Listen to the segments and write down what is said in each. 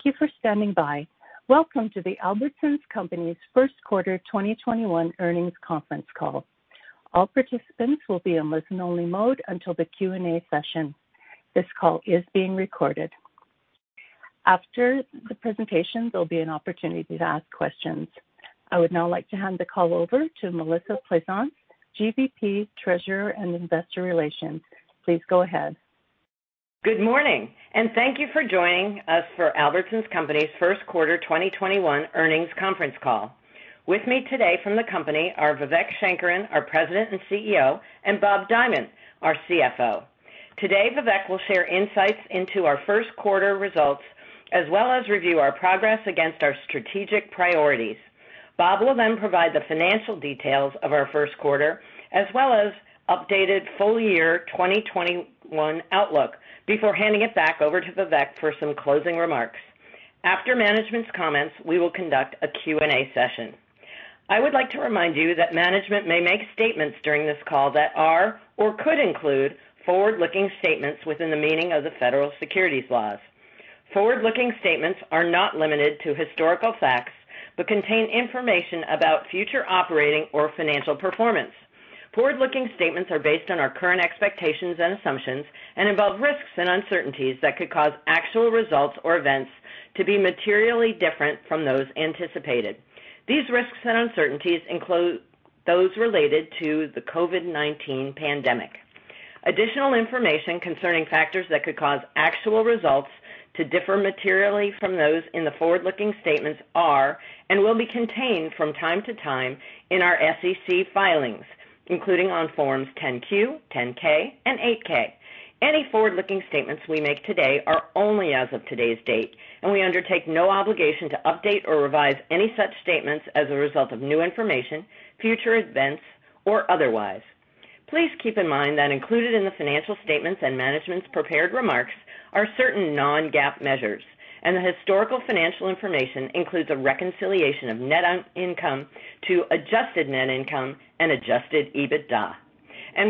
Thank you for standing by. Welcome to the Albertsons Companies first quarter 2021 earnings conference call. All participants will be in listen only mode until the Q&A session. This call is being recorded. After the presentation, there'll be an opportunity to ask questions. I would now like to hand the call over to Melissa Plaisance, GVP, Treasurer, and Investor Relations. Please go ahead. Good morning, and thank you for joining us for Albertsons Companies first quarter 2021 earnings conference call. With me today from the company are Vivek Sankaran, our President and CEO, and Bob Dimond, our CFO. Today, Vivek will share insights into our first quarter results, as well as review our progress against our strategic priorities. Bob will then provide the financial details of our first quarter, as well as updated full year 2021 outlook, before handing it back over to Vivek for some closing remarks. After management's comments, we will conduct a Q&A session. I would like to remind you that management may make statements during this call that are or could include forward-looking statements within the meaning of the federal securities laws. Forward-looking statements are not limited to historical facts, but contain information about future operating or financial performance. Forward-looking statements are based on our current expectations and assumptions and involve risks and uncertainties that could cause actual results or events to be materially different from those anticipated. These risks and uncertainties include those related to the COVID-19 pandemic. Additional information concerning factors that could cause actual results to differ materially from those in the forward-looking statements are and will be contained from time to time in our SEC filings, including on Forms 10-Q, 10-K, and 8-K. Any forward-looking statements we make today are only as of today's date, and we undertake no obligation to update or revise any such statements as a result of new information, future events, or otherwise. Please keep in mind that included in the financial statements and management's prepared remarks are certain non-GAAP measures, and the historical financial information includes a reconciliation of net income to adjusted net income and adjusted EBITDA.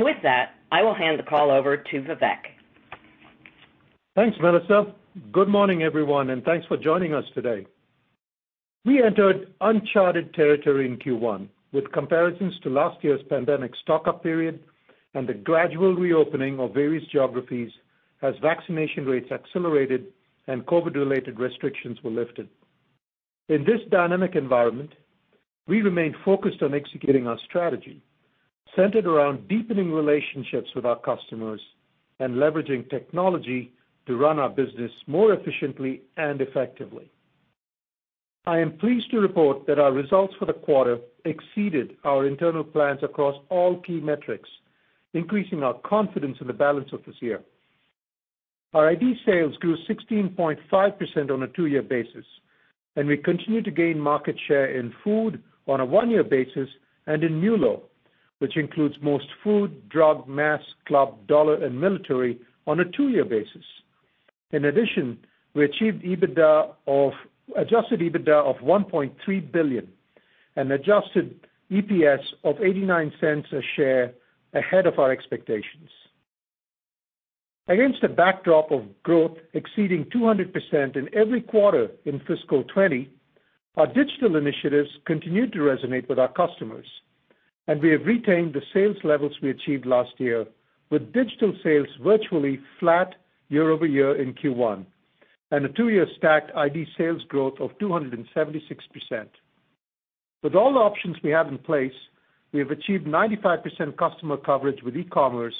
With that, I will hand the call over to Vivek. Thanks, Melissa. Good morning, everyone. Thanks for joining us today. We entered uncharted territory in Q1 with comparisons to last year's pandemic stock-up period and the gradual reopening of various geographies as vaccination rates accelerated and COVID-related restrictions were lifted. In this dynamic environment, we remained focused on executing our strategy, centered around deepening relationships with our customers and leveraging technology to run our business more efficiently and effectively. I am pleased to report that our results for the quarter exceeded our internal plans across all key metrics, increasing our confidence in the balance of this year. Our ID sales grew 16.5% on a two-year basis, and we continue to gain market share in food on a one-year basis and in MULO, which includes most food, drug, mass, club, dollar, and military on a two-year basis. In addition, we achieved adjusted EBITDA of $1.3 billion and adjusted EPS of $0.89 a share ahead of our expectations. Against a backdrop of growth exceeding 200% in every quarter in fiscal 2020, our digital initiatives continued to resonate with our customers, and we have retained the sales levels we achieved last year with digital sales virtually flat year-over-year in Q1, and a two-year stacked ID sales growth of 276%. With all the options we have in place, we have achieved 95% customer coverage with e-commerce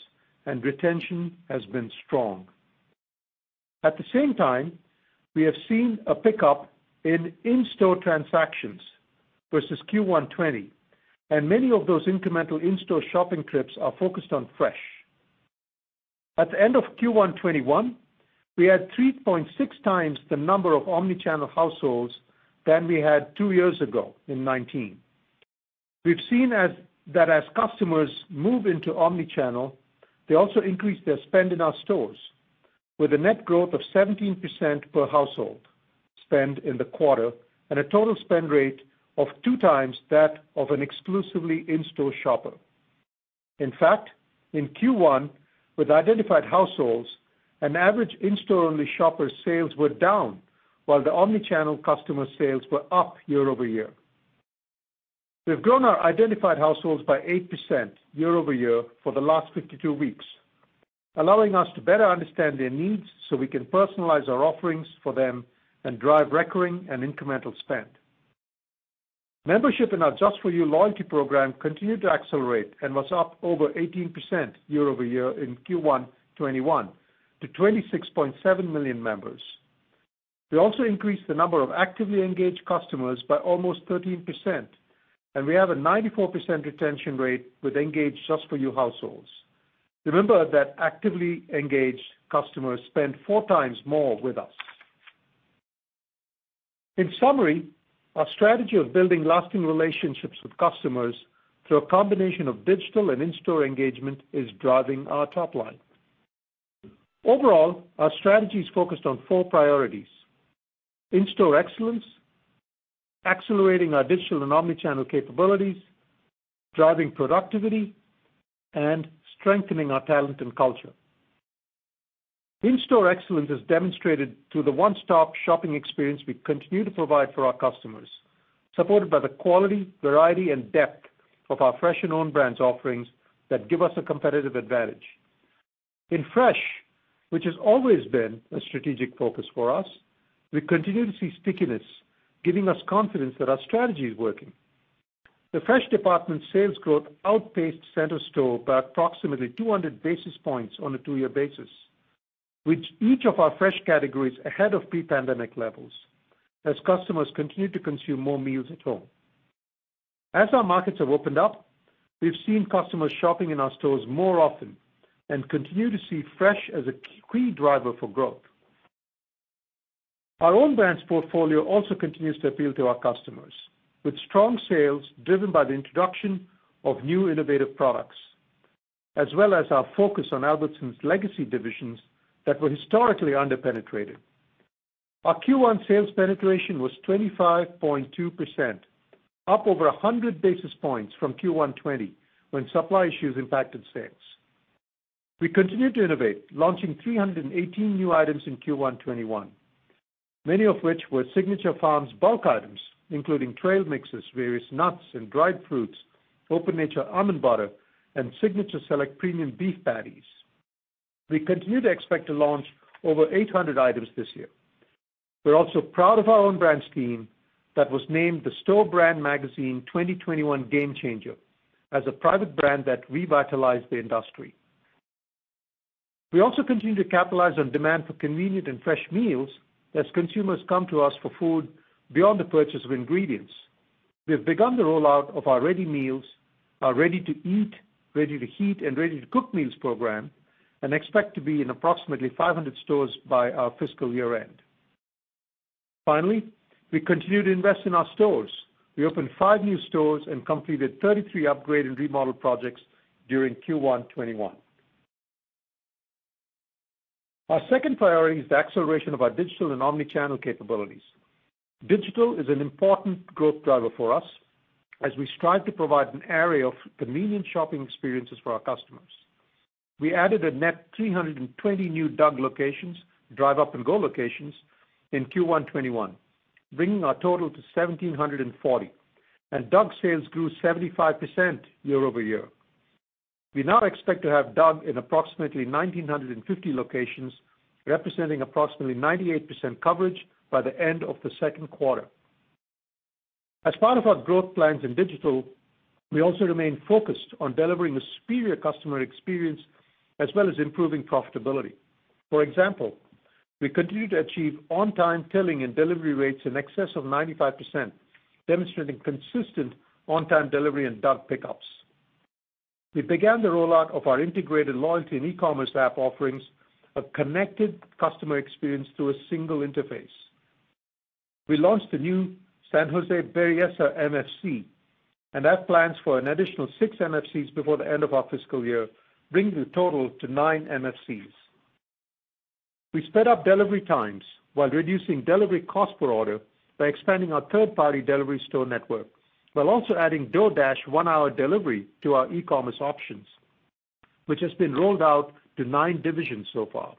and retention has been strong. At the same time, we have seen a pickup in in-store transactions versus Q1 2020, and many of those incremental in-store shopping trips are focused on fresh. At the end of Q1 2021, we had 3.6x the number of omni-channel households than we had two years ago in 2019. We've seen that as customers move into omni-channel, they also increase their spend in our stores with a net growth of 17% per household spend in the quarter and a total spend rate of 2x that of an exclusively in-store shopper. In fact, in Q1, with identified households, an average in-store only shopper sales were down while the omni-channel customer sales were up year-over-year. We've grown our identified households by 8% year-over-year for the last 52 weeks, allowing us to better understand their needs so we can personalize our offerings for them and drive recurring and incremental spend. Membership in our Just for U loyalty program continued to accelerate and was up over 18% year-over-year in Q1 2021 to 26.7 million members. We also increased the number of actively engaged customers by almost 13%, and we have a 94% retention rate with engaged Just for U households. Remember that actively engaged customers spend 4x more with us. In summary, our strategy of building lasting relationships with customers through a combination of digital and in-store engagement is driving our top line. Overall, our strategy is focused on four priorities: In-store excellence, accelerating our digital and omni-channel capabilities, driving productivity, and strengthening our talent and culture. In-store excellence is demonstrated through the one-stop shopping experience we continue to provide for our customers, supported by the quality, variety, and depth of our fresh and own brands offerings that give us a competitive advantage. In fresh, which has always been a strategic focus for us, we continue to see stickiness, giving us confidence that our strategy is working. The fresh department sales growth outpaced center store by approximately 200 basis points on a two-year basis, with each of our fresh categories ahead of pre-pandemic levels as customers continue to consume more meals at home. As our markets have opened up, we've seen customers shopping in our stores more often and continue to see fresh as a key driver for growth. Our own brands portfolio also continues to appeal to our customers, with strong sales driven by the introduction of new innovative products, as well as our focus on Albertsons legacy divisions that were historically under-penetrated. Our Q1 sales penetration was 25.2%, up over 100 basis points from Q1 2020, when supply issues impacted sales. We continue to innovate, launching 318 new items in Q1 2021, many of which were Signature Farms bulk items, including trail mixes, various nuts and dried fruits, Open Nature almond butter, and Signature Select premium beef patties. We continue to expect to launch over 800 items this year. We're also proud of our own brands team that was named the Store Brands Magazine 2021 Game Changer as a private brand that revitalized the industry. We also continue to capitalize on demand for convenient and fresh meals as consumers come to us for food beyond the purchase of ingredients. We've begun the rollout of our ReadyMeals, our ready-to-eat, ready-to-heat, and ready-to-cook meals program, and expect to be in approximately 500 stores by our fiscal year-end. Finally, we continue to invest in our stores. We opened five new stores and completed 33 upgrade and remodel projects during Q1 2021. Our second priority is the acceleration of our digital and omni-channel capabilities. Digital is an important growth driver for us as we strive to provide an array of convenient shopping experiences for our customers. We added a net 320 new DUG locations, DriveUp & Go locations, in Q1 2021, bringing our total to 1,740, and DUG sales grew 75% year-over-year. We now expect to have DUG in approximately 1,950 locations, representing approximately 98% coverage by the end of the second quarter. As part of our growth plans in digital, we also remain focused on delivering a superior customer experience as well as improving profitability. For example, we continue to achieve on-time filling and delivery rates in excess of 95%, demonstrating consistent on-time delivery and DUG pickups. We began the rollout of our integrated loyalty and e-commerce app offerings, a connected customer experience through a single interface. We launched the new San Jose Berryessa MFC, and have plans for an additional 6 MFCs before the end of our fiscal year, bringing the total to 9 MFCs. We sped up delivery times while reducing delivery cost per order by expanding our third-party delivery store network, while also adding DoorDash one-hour delivery to our e-commerce options, which has been rolled out to nine divisions so far.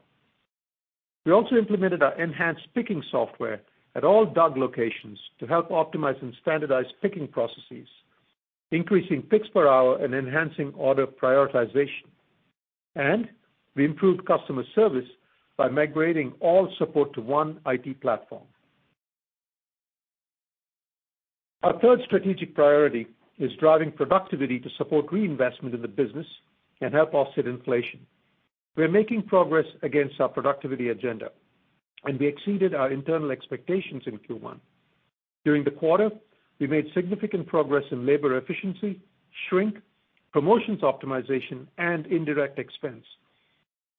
We also implemented our enhanced picking software at all DUG locations to help optimize and standardize picking processes, increasing picks per hour and enhancing order prioritization. We improved customer service by migrating all support to one IT platform. Our third strategic priority is driving productivity to support reinvestment in the business and help offset inflation. We are making progress against our productivity agenda, and we exceeded our internal expectations in Q1. During the quarter, we made significant progress in labor efficiency, shrink, promotions optimization, and indirect expense.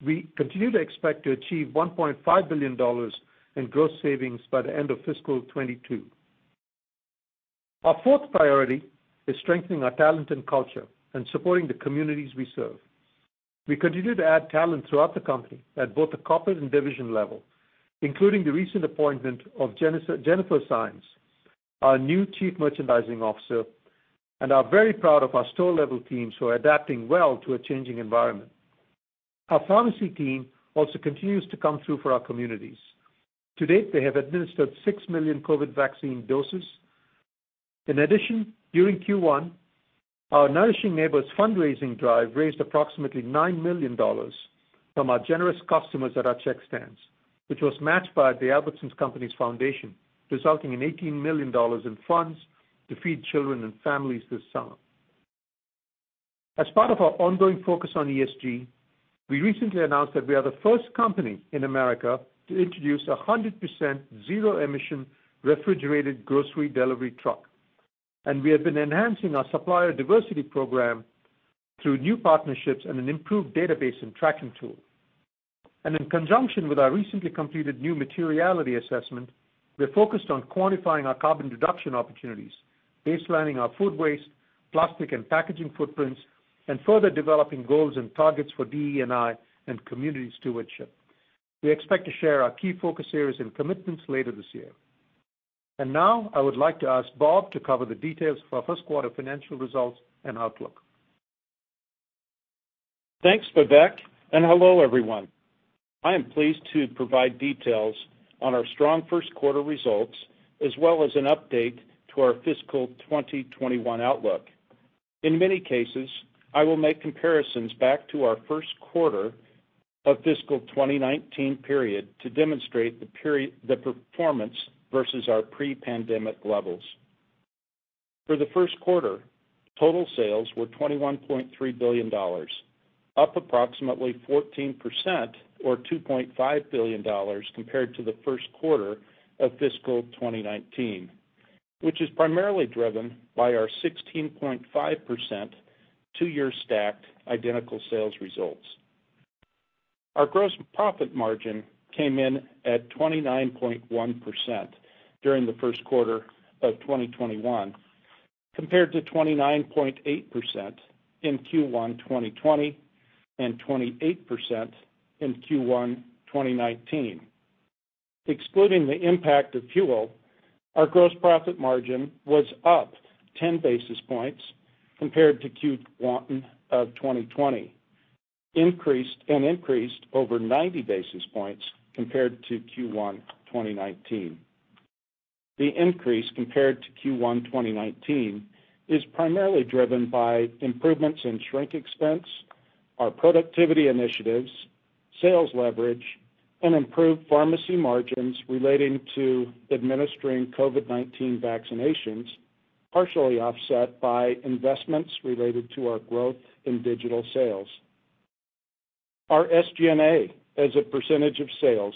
We continue to expect to achieve $1.5 billion in gross savings by the end of fiscal 2022. Our fourth priority is strengthening our talent and culture and supporting the communities we serve. We continue to add talent throughout the company at both the corporate and division level, including the recent appointment of Jennifer Saenz, our new Chief Merchandising Officer, and are very proud of our store-level teams who are adapting well to a changing environment. Our pharmacy team also continues to come through for our communities. To date, they have administered 6 million COVID vaccine doses. In addition, during Q1, our Nourishing Neighbors fundraising drive raised approximately $9 million from our generous customers at our check stands, which was matched by the Albertsons Companies Foundation, resulting in $18 million in funds to feed children and families this summer. As part of our ongoing focus on ESG, we recently announced that we are the first company in America to introduce 100% zero-emission refrigerated grocery delivery truck. We have been enhancing our supplier diversity program through new partnerships and an improved database and tracking tool. In conjunction with our recently completed new materiality assessment, we're focused on quantifying our carbon reduction opportunities, baselining our food waste, plastic and packaging footprints, and further developing goals and targets for DE&I and community stewardship. We expect to share our key focus areas and commitments later this year. Now, I would like to ask Bob to cover the details for our first quarter financial results and outlook. Thanks, Vivek, and hello, everyone. I am pleased to provide details on our strong first quarter results, as well as an update to our fiscal 2021 outlook. In many cases, I will make comparisons back to our first quarter of fiscal 2019 period to demonstrate the performance versus our pre-pandemic levels. For the first quarter, total sales were $21.3 billion, up approximately 14%, or $2.5 billion compared to the first quarter of fiscal 2019, which is primarily driven by our 16.5% two-year stacked identical sales results. Our gross profit margin came in at 29.1% during the first quarter of 2021, compared to 29.8% in Q1 2020, and 28% in Q1 2019. Excluding the impact of fuel, our gross profit margin was up 10 basis points compared to Q1 of 2020, and increased over 90 basis points compared to Q1 2019 The increase compared to Q1 2019 is primarily driven by improvements in shrink expense, our productivity initiatives, sales leverage, and improved pharmacy margins relating to administering COVID-19 vaccinations, partially offset by investments related to our growth in digital sales. Our SG&A as a percentage of sales,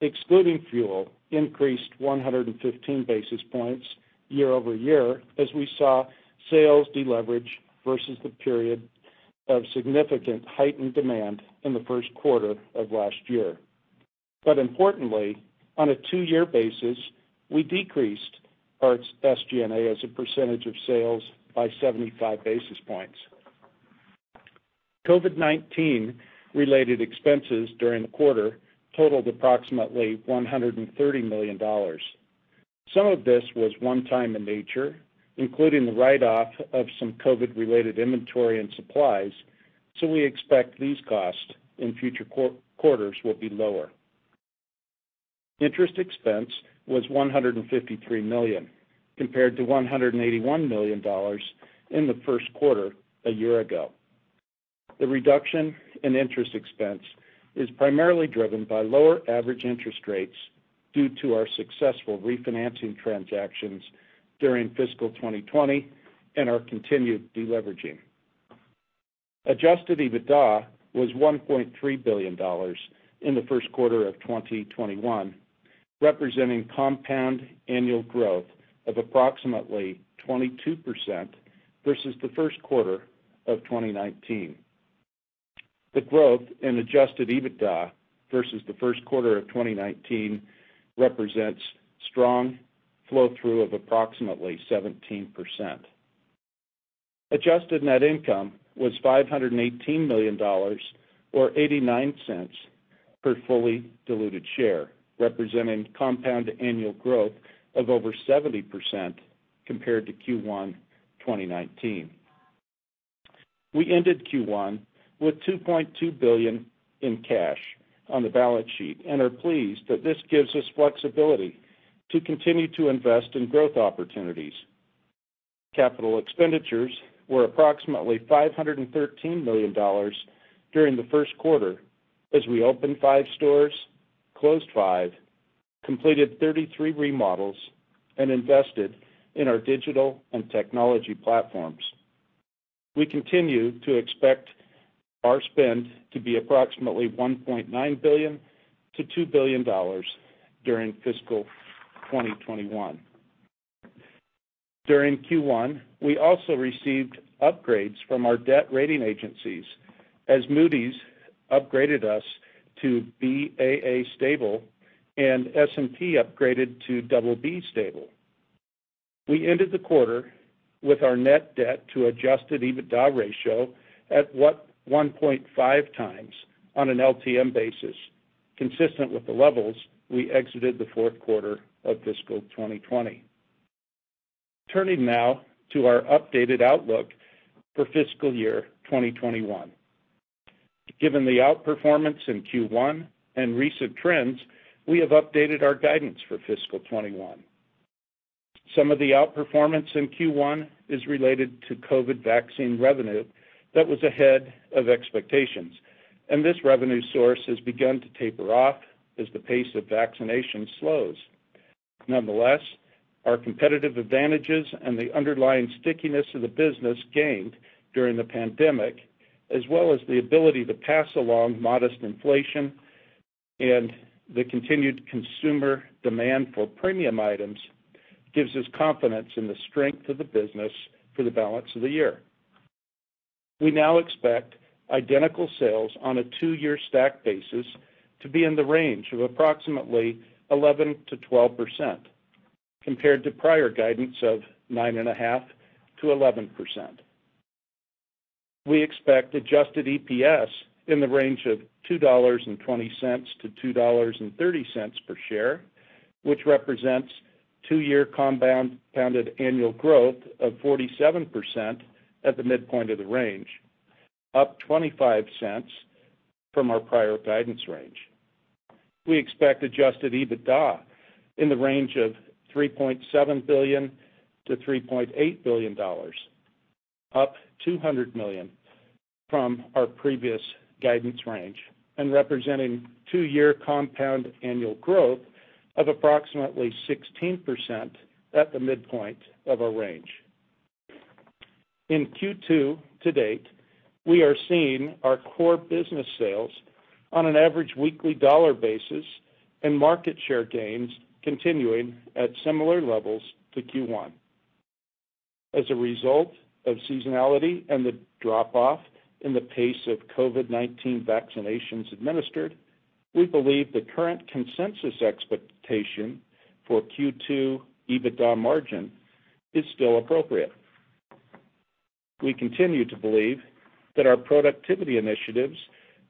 excluding fuel, increased 115 basis points year-over-year, as we saw sales deleverage versus the period of significant heightened demand in the first quarter of last year. Importantly, on a two-year basis, we decreased our SG&A as a percentage of sales by 75 basis points. COVID-19 related expenses during the quarter totaled approximately $130 million. Some of this was one time in nature, including the write-off of some COVID related inventory and supplies. We expect these costs in future quarters will be lower. Interest expense was $153 million, compared to $181 million in the first quarter a year ago. The reduction in interest expense is primarily driven by lower average interest rates due to our successful refinancing transactions during fiscal 2020 and our continued deleveraging. Adjusted EBITDA was $1.3 billion in the first quarter of 2021, representing compound annual growth of approximately 22% versus the first quarter of 2019. The growth in Adjusted EBITDA versus the first quarter of 2019 represents strong flow-through of approximately 17%. Adjusted net income was $518 million or $0.89 per fully diluted share, representing compound annual growth of over 70% compared to Q1 2019. We ended Q1 with $2.2 billion in cash on the balance sheet and are pleased that this gives us flexibility to continue to invest in growth opportunities. Capital expenditures were approximately $513 million during the first quarter as we opened five stores, closed five, completed 33 remodels, and invested in our digital and technology platforms. We continue to expect our spend to be approximately $1.9 billion-$2 billion during fiscal 2021. During Q1, we also received upgrades from our debt rating agencies as Moody's upgraded us to Ba1 stable and S&P upgraded to BB stable. We ended the quarter with our net debt to adjusted EBITDA ratio at 1.5x on an LTM basis, consistent with the levels we exited the fourth quarter of fiscal 2020. Turning now to our updated outlook for fiscal year 2021. Given the outperformance in Q1 and recent trends, we have updated our guidance for fiscal 2021. Some of the outperformance in Q1 is related to COVID vaccine revenue that was ahead of expectations, and this revenue source has begun to taper off as the pace of vaccination slows. Nonetheless, our competitive advantages and the underlying stickiness of the business gained during the pandemic, as well as the ability to pass along modest inflation and the continued consumer demand for premium items, gives us confidence in the strength of the business for the balance of the year. We now expect identical sales on a two-year stack basis to be in the range of approximately 11%-12%, compared to prior guidance of 9.5%-11%. We expect adjusted EPS in the range of $2.20-$2.30 per share, which represents two-year compounded annual growth of 47% at the midpoint of the range, up $0.25 from our prior guidance range. We expect adjusted EBITDA in the range of $3.7 billion-$3.8 billion, up $200 million from our previous guidance range, and representing two-year compound annual growth of approximately 16% at the midpoint of our range. In Q2 to date, we are seeing our core business sales on an average weekly dollar basis and market share gains continuing at similar levels to Q1. As a result of seasonality and the drop-off in the pace of COVID-19 vaccinations administered, we believe the consensus expectation for Q2 EBITDA margin is still appropriate. We continue to believe that our productivity initiatives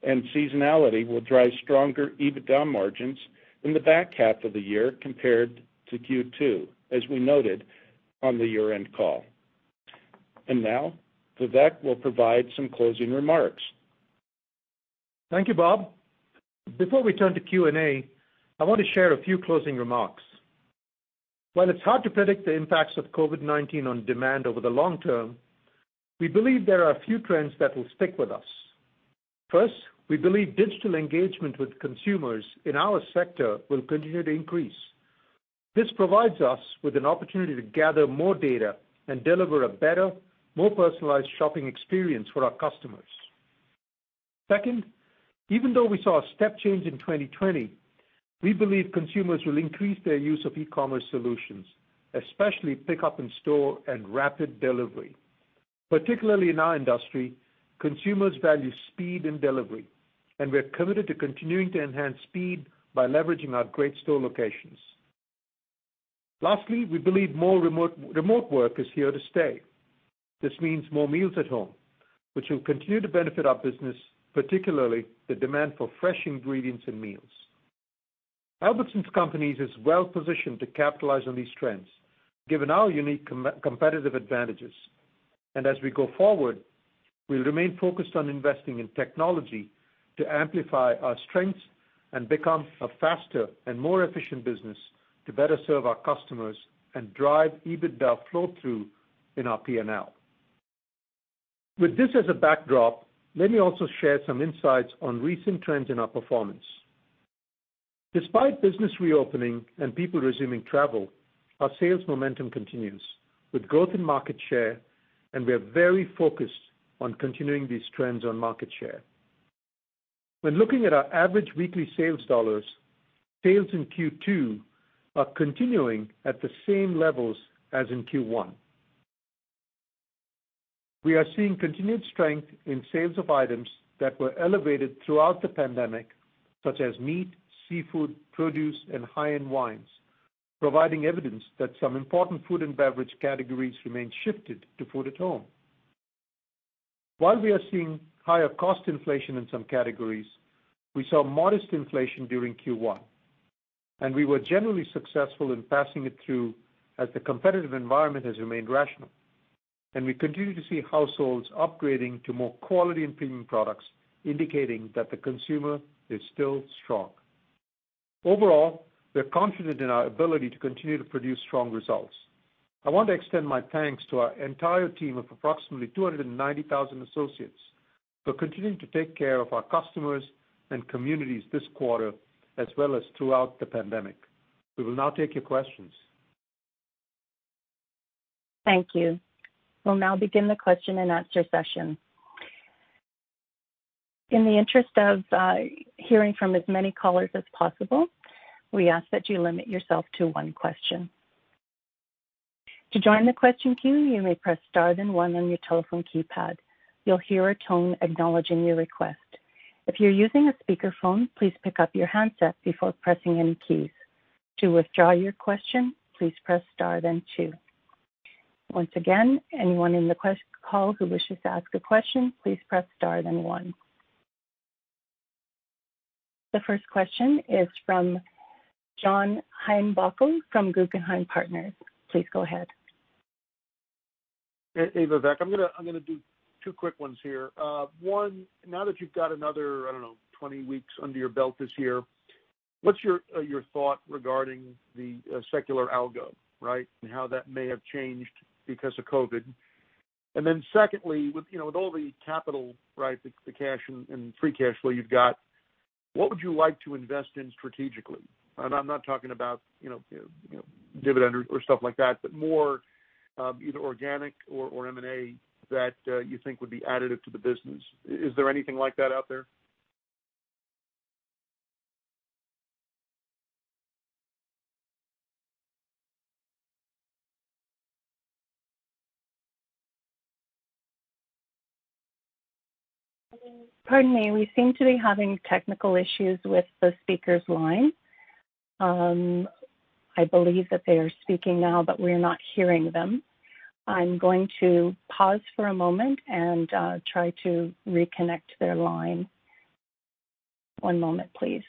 and seasonality will drive stronger EBITDA margins in the back half of the year compared to Q2, as we noted on the year-end call. Now, Vivek will provide some closing remarks. Thank you, Bob. Before we turn to Q&A, I want to share a few closing remarks. While it's hard to predict the impacts of COVID-19 on demand over the long term, we believe there are a few trends that will stick with us. First, we believe digital engagement with consumers in our sector will continue to increase. This provides us with an opportunity to gather more data and deliver a better, more personalized shopping experience for our customers. Second, even though we saw a step change in 2020, we believe consumers will increase their use of e-commerce solutions, especially pickup in-store and rapid delivery. Particularly in our industry, consumers value speed and delivery, and we're committed to continuing to enhance speed by leveraging our great store locations. Lastly, we believe more remote work is here to stay. This means more meals at home, which will continue to benefit our business, particularly the demand for fresh ingredients and meals. Albertsons Companies is well-positioned to capitalize on these trends given our unique competitive advantages. As we go forward, we'll remain focused on investing in technology to amplify our strengths and become a faster and more efficient business to better serve our customers and drive EBITDA flow-through in our P&L. With this as a backdrop, let me also share some insights on recent trends in our performance. Despite business reopening and people resuming travel, our sales momentum continues with growth in market share, and we are very focused on continuing these trends on market share. When looking at our average weekly sales dollars, sales in Q2 are continuing at the same levels as in Q1. We are seeing continued strength in sales of items that were elevated throughout the pandemic, such as meat, seafood, produce, and high-end wines, providing evidence that some important food and beverage categories remain shifted to food at home. While we are seeing higher cost inflation in some categories, we saw modest inflation during Q1. We were generally successful in passing it through as the competitive environment has remained rational. We continue to see households upgrading to more quality and premium products, indicating that the consumer is still strong. Overall, we're confident in our ability to continue to produce strong results. I want to extend my thanks to our entire team of approximately 290,000 associates for continuing to take care of our customers and communities this quarter, as well as throughout the pandemic. We will now take your questions. Thank you. We'll now begin the question and answer session. In the interest of hearing from as many callers as possible, we ask that you limit yourself to one question. To join the question queue, you may press star then one on your telephone keypad. You'll hear a tone acknowledging your request. If you're using a speakerphone, please pick up your handset before pressing any keys. To withdraw your question, please press star then two. Once again, anyone in the call who wishes to ask a question, please press star then one. The first question is from John Heinbockel from Guggenheim Partners. Please go ahead. Hey, Vivek. I'm going to do two quick ones here. one, now that you've got another, I don't know, 20 weeks under your belt this year, what's your thought regarding the secular algo, right? How that may have changed because of COVID. Secondly, with all the capital, right, the cash and free cash flow you've got, what would you like to invest in strategically? I'm not talking about dividend or stuff like that, but more either organic or M&A that you think would be additive to the business. Is there anything like that out there? Pardon me. We seem to be having technical issues with the speaker's line. I believe that they are speaking now, but we are not hearing them. I'm going to pause for a moment and try to reconnect their line. One moment please.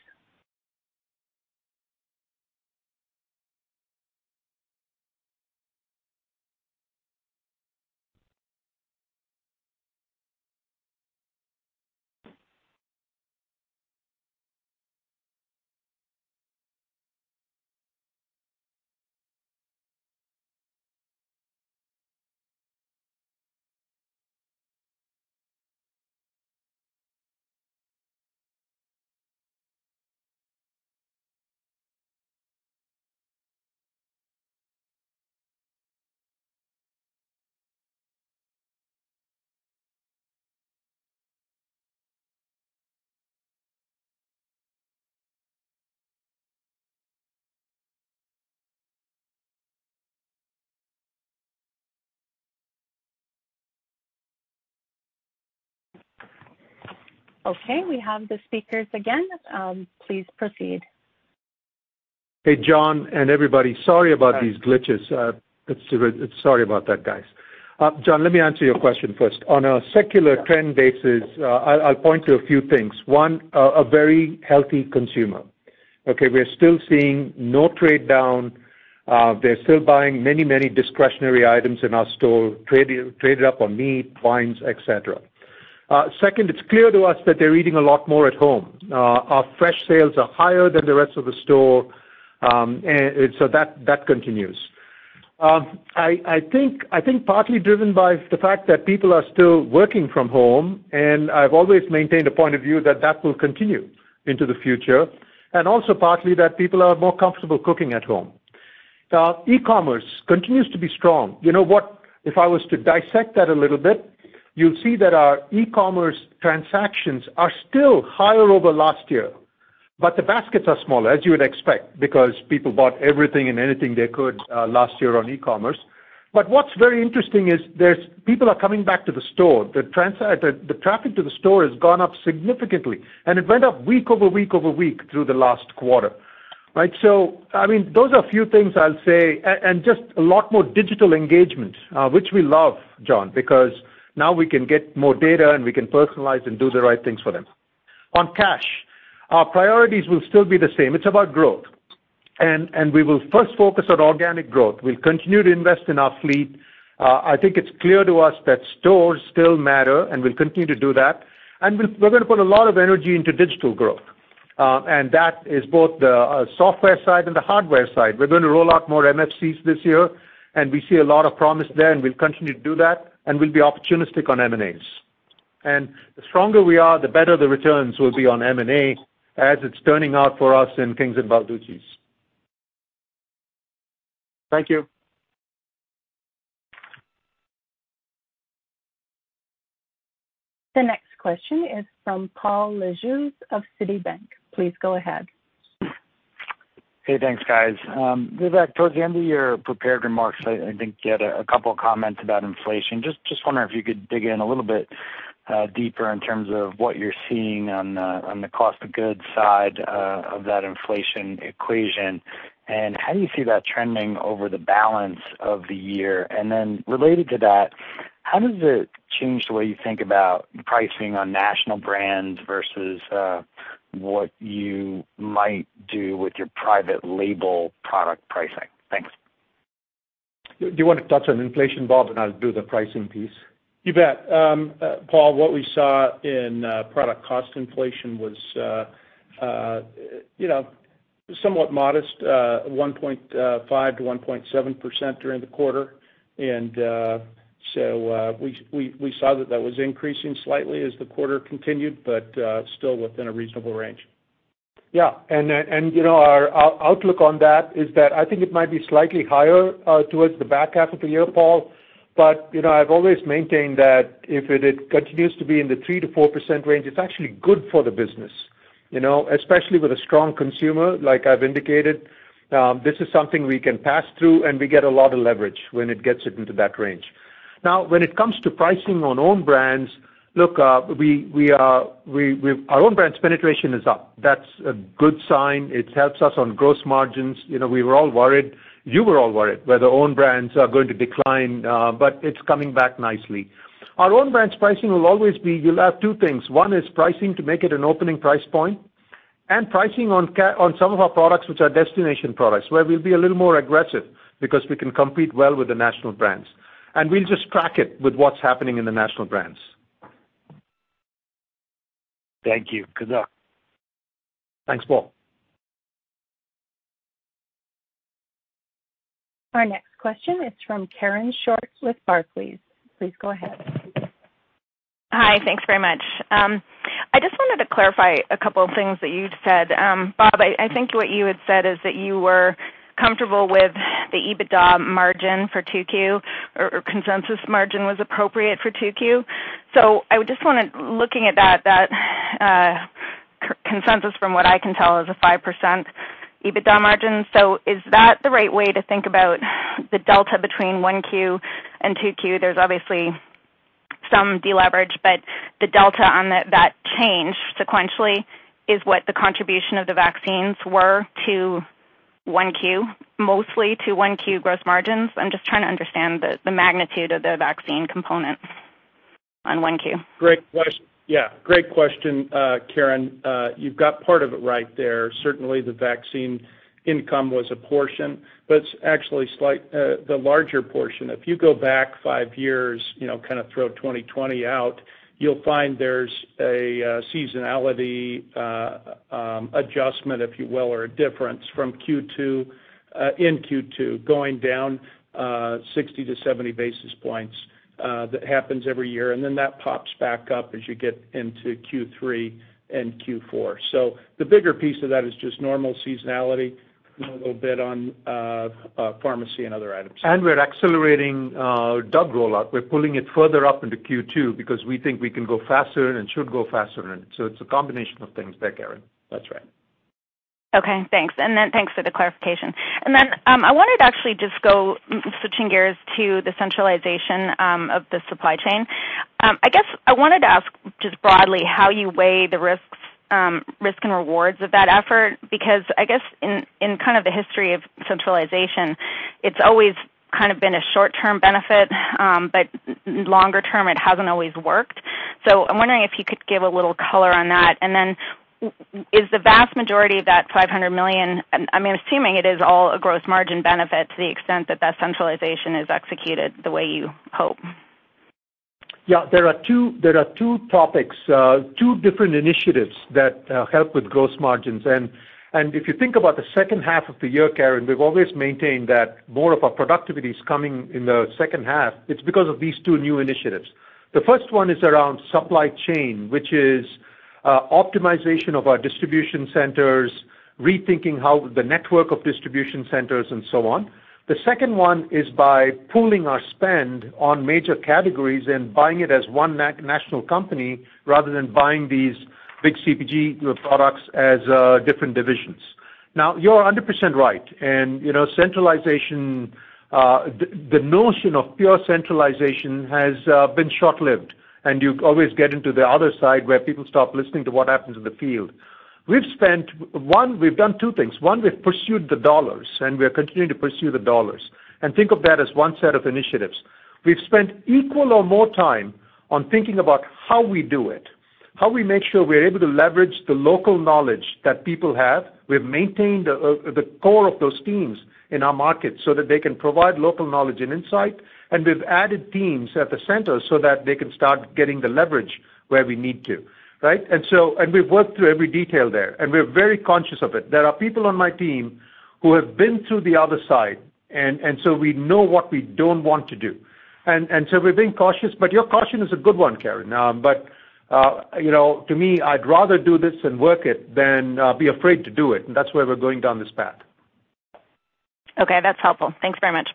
Okay, we have the speakers again. Please proceed. Hey, John, and everybody. Sorry about these glitches. Sorry about that, guys. John, let me answer your question first. On a secular trend basis, I'll point to a few things. One, a very healthy consumer. Okay. We're still seeing no trade down. They're still buying many discretionary items in our store, traded up on meat, wines, et cetera. Second, it's clear to us that they're eating a lot more at home. Our fresh sales are higher than the rest of the store. That continues. I think partly driven by the fact that people are still working from home, and I've always maintained a point of view that that will continue into the future, and also partly that people are more comfortable cooking at home. E-commerce continues to be strong. You know what, if I was to dissect that a little bit, you'll see that our e-commerce transactions are still higher over last year, but the baskets are smaller, as you would expect, because people bought everything and anything they could last year on e-commerce. What's very interesting is people are coming back to the store. The traffic to the store has gone up significantly, and it went up week, over week, over week through the last quarter. Right. Those are a few things I'll say, and just a lot more digital engagement, which we love, John, because now we can get more data and we can personalize and do the right things for them. On cash, our priorities will still be the same. It's about growth. We will first focus on organic growth. We'll continue to invest in our fleet. I think it's clear to us that stores still matter, and we'll continue to do that. We're going to put a lot of energy into digital growth. That is both the software side and the hardware side. We're going to roll out more MFCs this year, and we see a lot of promise there, and we'll continue to do that. We'll be opportunistic on M&As. The stronger we are, the better the returns will be on M&A as it's turning out for us in Kings and Balducci's. Thank you. The next question is from Paul Lejuez of Citibank. Please go ahead. Hey, thanks, guys. Vivek, towards the end of your prepared remarks, I think you had a couple of comments about inflation. Just wondering if you could dig in a little bit deeper in terms of what you're seeing on the cost of goods side of that inflation equation. How do you see that trending over the balance of the year? Related to that, how does it change the way you think about pricing on national brands versus what you might do with your private label product pricing? Thanks. Do you want to touch on inflation, Bob, and I'll do the pricing piece? You bet. Paul, what we saw in product cost inflation was somewhat modest, 1.5%-1.7% during the quarter. We saw that was increasing slightly as the quarter continued, but still within a reasonable range. Yeah. Our outlook on that is that I think it might be slightly higher towards the back half of the year, Paul, but I've always maintained that if it continues to be in the 3%-4% range, it's actually good for the business. Especially with a strong consumer, like I've indicated. This is something we can pass through, and we get a lot of leverage when it gets into that range. Now, when it comes to pricing on own brands, look, our own brands penetration is up. That's a good sign. It helps us on gross margins. We were all worried. You were all worried whether own brands are going to decline, but it's coming back nicely. Our own brands pricing will always be, you'll have two things. One is pricing to make it an opening price point, and pricing on some of our products which are destination products, where we'll be a little more aggressive because we can compete well with the national brands. We'll just track it with what's happening in the national brands. Thank you. Good luck. Thanks, Paul. Our next question is from Karen Short with Barclays. Please go ahead. Hi. Thanks very much. I just wanted to clarify a couple of things that you'd said. Bob, I think what you had said is that you were comfortable with the EBITDA margin for 2Q, or consensus margin was appropriate for 2Q. Looking at that, consensus from what I can tell is a 5% EBITDA margin. Is that the right way to think about the delta between 1Q and 2Q? There's obviously some de-leverage, but the delta on that change sequentially is what the contribution of the vaccines were to 1Q, mostly to 1Q gross margins. I'm just trying to understand the magnitude of the vaccine component on 1Q. Great question. Great question, Karen. You've got part of it right there. Certainly, the vaccine income was a portion, it's actually the larger portion, if you go back five years, kind of throw 2020 out, you'll find there's a seasonality adjustment, if you will, or a difference from Q2, in Q2, going down 60-70 basis points that happens every year, and then that pops back up as you get into Q3 and Q4. The bigger piece of that is just normal seasonality and a little bit on pharmacy and other items. And we're accelerating DUG rollout. We're pulling it further up into Q2 because we think we can go faster and should go faster. It's a combination of things there, Karen. That's right. Okay, thanks. Thanks for the clarification. I wanted to actually just switching gears to the centralization of the supply chain. I guess I wanted to ask just broadly how you weigh the risks and rewards of that effort, because I guess in kind of the history of centralization, it's always kind of been a short-term benefit, but longer term, it hasn't always worked. I'm wondering if you could give a little color on that. Is the vast majority of that $500 million, I'm assuming it is all a gross margin benefit to the extent that that centralization is executed the way you hope. Yeah. There are two topics, two different initiatives that help with gross margins. If you think about the second half of the year, Karen, we've always maintained that more of our productivity is coming in the second half. It's because of these two new initiatives. The first one is around supply chain, which is optimization of our distribution centers, rethinking how the network of distribution centers and so on. The second one is by pooling our spend on major categories and buying it as one national company rather than buying these big CPG products as different divisions. Now, you're 100% right. Centralization, the notion of pure centralization has been short-lived, and you always get into the other side where people stop listening to what happens in the field. One, we've done two things. One, we've pursued the dollars, and we are continuing to pursue the dollars. Think of that as one set of initiatives. We've spent equal or more time on thinking about how we do it, how we make sure we're able to leverage the local knowledge that people have. We've maintained the core of those teams in our markets so that they can provide local knowledge and insight. We've added teams at the center so that they can start getting the leverage where we need to, right? We've worked through every detail there, and we're very conscious of it. There are people on my team who have been through the other side, so we know what we don't want to do. We're being cautious, but your caution is a good one, Karen. To me, I'd rather do this and work it than be afraid to do it. That's why we're going down this path. Okay, that's helpful. Thanks very much.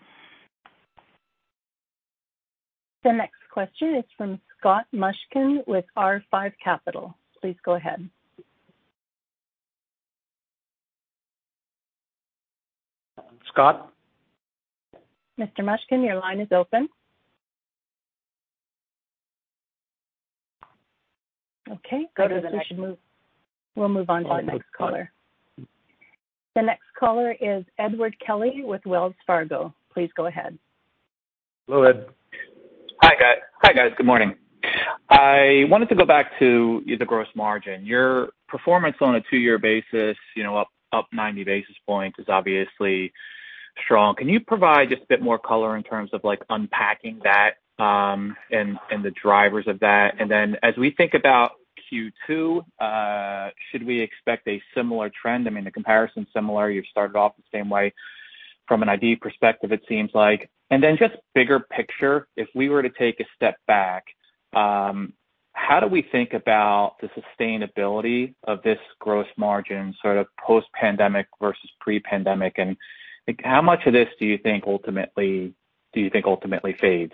The next question is from Scott Mushkin with R5 Capital. Please go ahead. Scott? Mr. Mushkin, your line is open. Okay, guess we should move. We will move on to the next caller. The next caller is Edward Kelly with Wells Fargo. Please go ahead. Go ahead. Hi, guys. Good morning. I wanted to go back to the gross margin. Your performance on a two-year basis, up 90 basis points is obviously strong. Can you provide just a bit more color in terms of unpacking that, and the drivers of that? As we think about Q2, should we expect a similar trend? I mean, the comparison's similar. You've started off the same way from an ID perspective, it seems like. Just bigger picture, if we were to take a step back, how do we think about the sustainability of this gross margin sort of post-pandemic versus pre-pandemic? Like, how much of this do you think ultimately fades?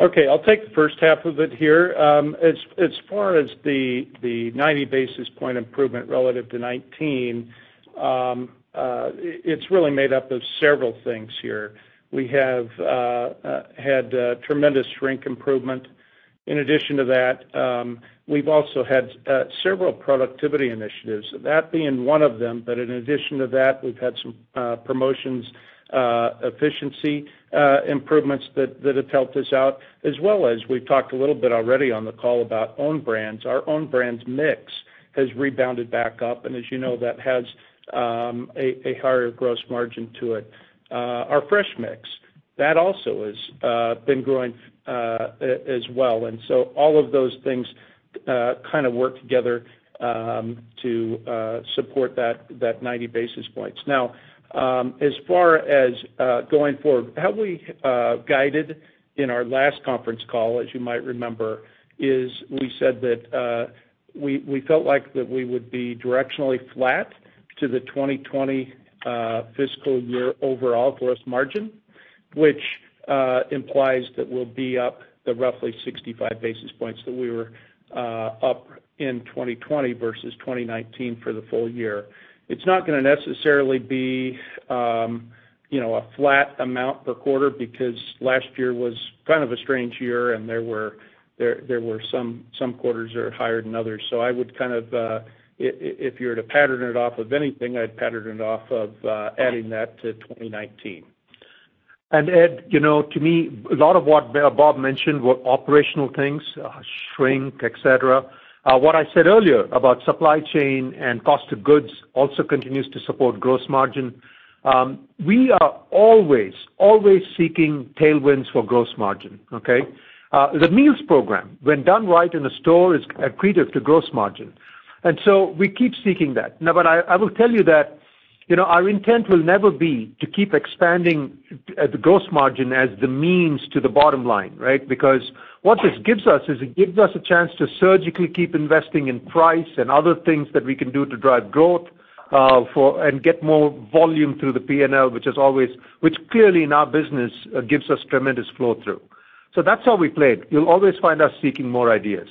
Okay, I'll take the first half of it here. As far as the 90 basis point improvement relative to 2019, it's really made up of several things here. We have had tremendous shrink improvement. In addition to that, we've also had several productivity initiatives, that being one of them. In addition to that, we've had some promotions, efficiency improvements that have helped us out as well as we've talked a little bit already on the call about Own Brands. Our Own Brands mix has rebounded back up, and as you know, that has a higher gross margin to it. Our fresh mix, that also has been growing as well. All of those things kind of work together to support that 90 basis points. As far as going forward, how we guided in our last conference call, as you might remember, is we said that we felt like that we would be directionally flat to the 2020 fiscal year overall gross margin. Which implies that we'll be up the roughly 65 basis points that we were up in 2020 versus 2019 for the full year. It's not going to necessarily be a flat amount per quarter because last year was kind of a strange year, and there were some quarters that are higher than others. I would kind of, if you were to pattern it off of anything, I'd pattern it off of adding that to 2019. Ed, to me, a lot of what Bob mentioned were operational things, shrink, et cetera. What I said earlier about supply chain and cost of goods also continues to support gross margin. We are always seeking tailwinds for gross margin. Okay. The meals program, when done right in a store, is accretive to gross margin. We keep seeking that. Now, I will tell that our intent will never be to keep expanding the gross margin as the means to the bottom line, right. Because what this gives us is, it gives us a chance to surgically keep investing in price and other things that we can do to drive growth, and get more volume through the P&L, which clearly in our business, gives us tremendous flow-through. That's how we played. You'll always find us seeking more ideas.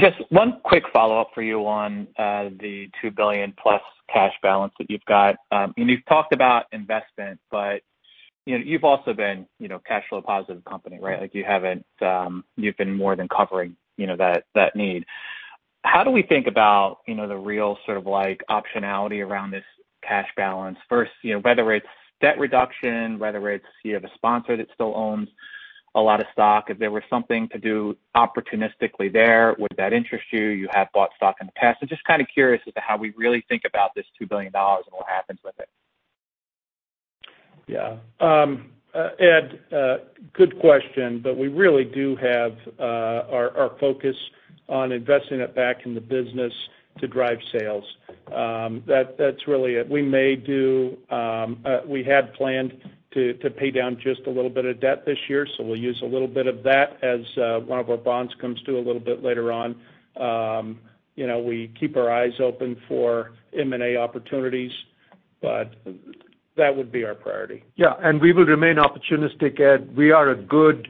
Just one quick follow-up for you on the $2 billion-plus cash balance that you've got. You've talked about investment, but you've also been a cash flow positive company, right? Like, you've been more than covering that need. How do we think about the real sort of optionality around this cash balance? First, whether it's debt reduction, whether you have a sponsor that still owns a lot of stock. If there was something to do opportunistically there, would that interest you? You have bought stock in the past. Just kind of curious as to how we really think about this $2 billion and what happens with it. Ed, good question. We really do have our focus on investing it back in the business to drive sales. That's really it. We had planned to pay down just a little bit of debt this year. We'll use a little bit of that as one of our bonds comes due a little bit later on. We keep our eyes open for M&A opportunities. That would be our priority. Yeah. We will remain opportunistic, Ed. We are good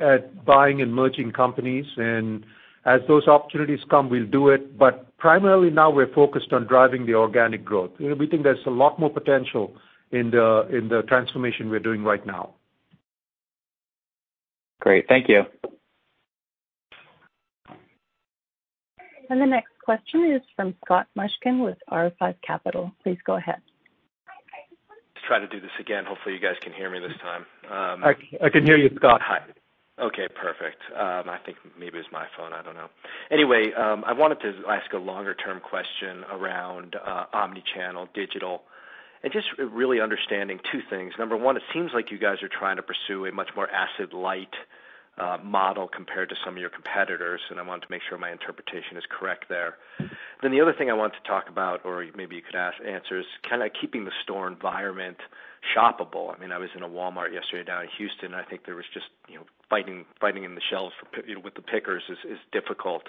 at buying and merging companies, and as those opportunities come, we'll do it. Primarily now we're focused on driving the organic growth. We think there's a lot more potential in the transformation we're doing right now. Great. Thank you. The next question is from Scott Mushkin with R5 Capital. Please go ahead. Just try to do this again. Hopefully, you guys can hear me this time. I can hear you, Scott. Hi. Okay, perfect. I think maybe it was my phone. I don't know. I wanted to ask a longer-term question around omnichannel digital and just really understanding two things. Number one, it seems like you guys are trying to pursue a much more asset-light model compared to some of your competitors, and I wanted to make sure my interpretation is correct there. The other thing I wanted to talk about, or maybe you could answer, is kind of keeping the store environment shoppable. I was in a Walmart yesterday down in Houston, and I think there was just fighting in the shelves with the pickers is difficult.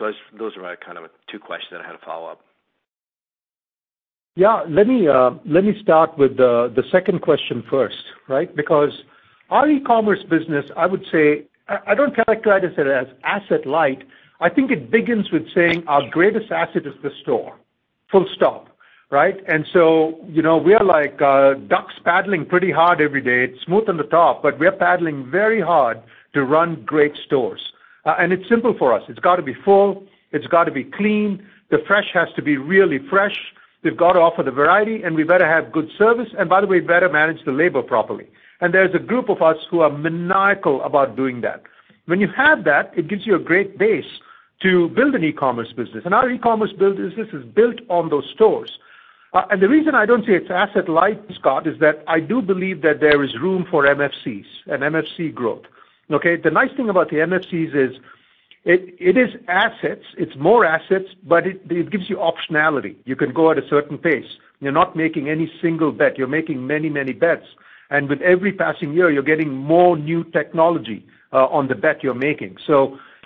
Those are my kind of two questions, I had to follow up. Yeah, let me start with the second question first, right? Our e-commerce business, I would say, I don't characterize it as asset light. I think it begins with saying our greatest asset is the store, full stop, right? So we are like ducks paddling pretty hard every day. It's smooth on the top, but we are paddling very hard to run great stores. It's simple for us. It's got to be full. It's got to be clean. The fresh has to be really fresh. We've got to offer the variety, and we better have good service, and by the way, better manage the labor properly. There's a group of us who are maniacal about doing that. When you have that, it gives you a great base to build an e-commerce business. Our e-commerce business is built on those stores. The reason I don't say it's asset light, Scott, is that I do believe that there is room for MFCs and MFC growth. Okay? The nice thing about the MFCs is it is assets. It's more assets, but it gives you optionality. You can go at a certain pace. You're not making any single bet. You're making many, many bets. With every passing year, you're getting more new technology on the bet you're making.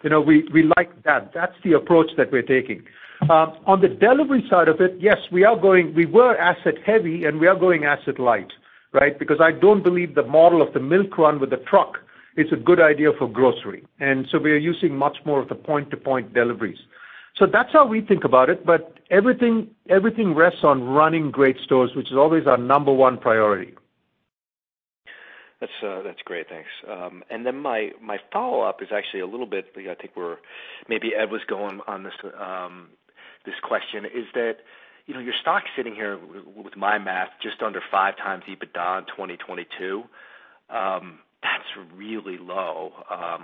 We like that. That's the approach that we're taking. On the delivery side of it, yes, we were asset heavy, and we are going asset light, right? Because I don't believe the model of the milk run with the truck is a good idea for grocery. We are using much more of the point-to-point deliveries. That's how we think about it. Everything rests on running great stores, which is always our number one priority. That's great. Thanks. My follow-up is actually a little bit, I think maybe Ed was going on this question, is that your stock sitting here with my math just under 5x EBITDA in 2022. That's really low.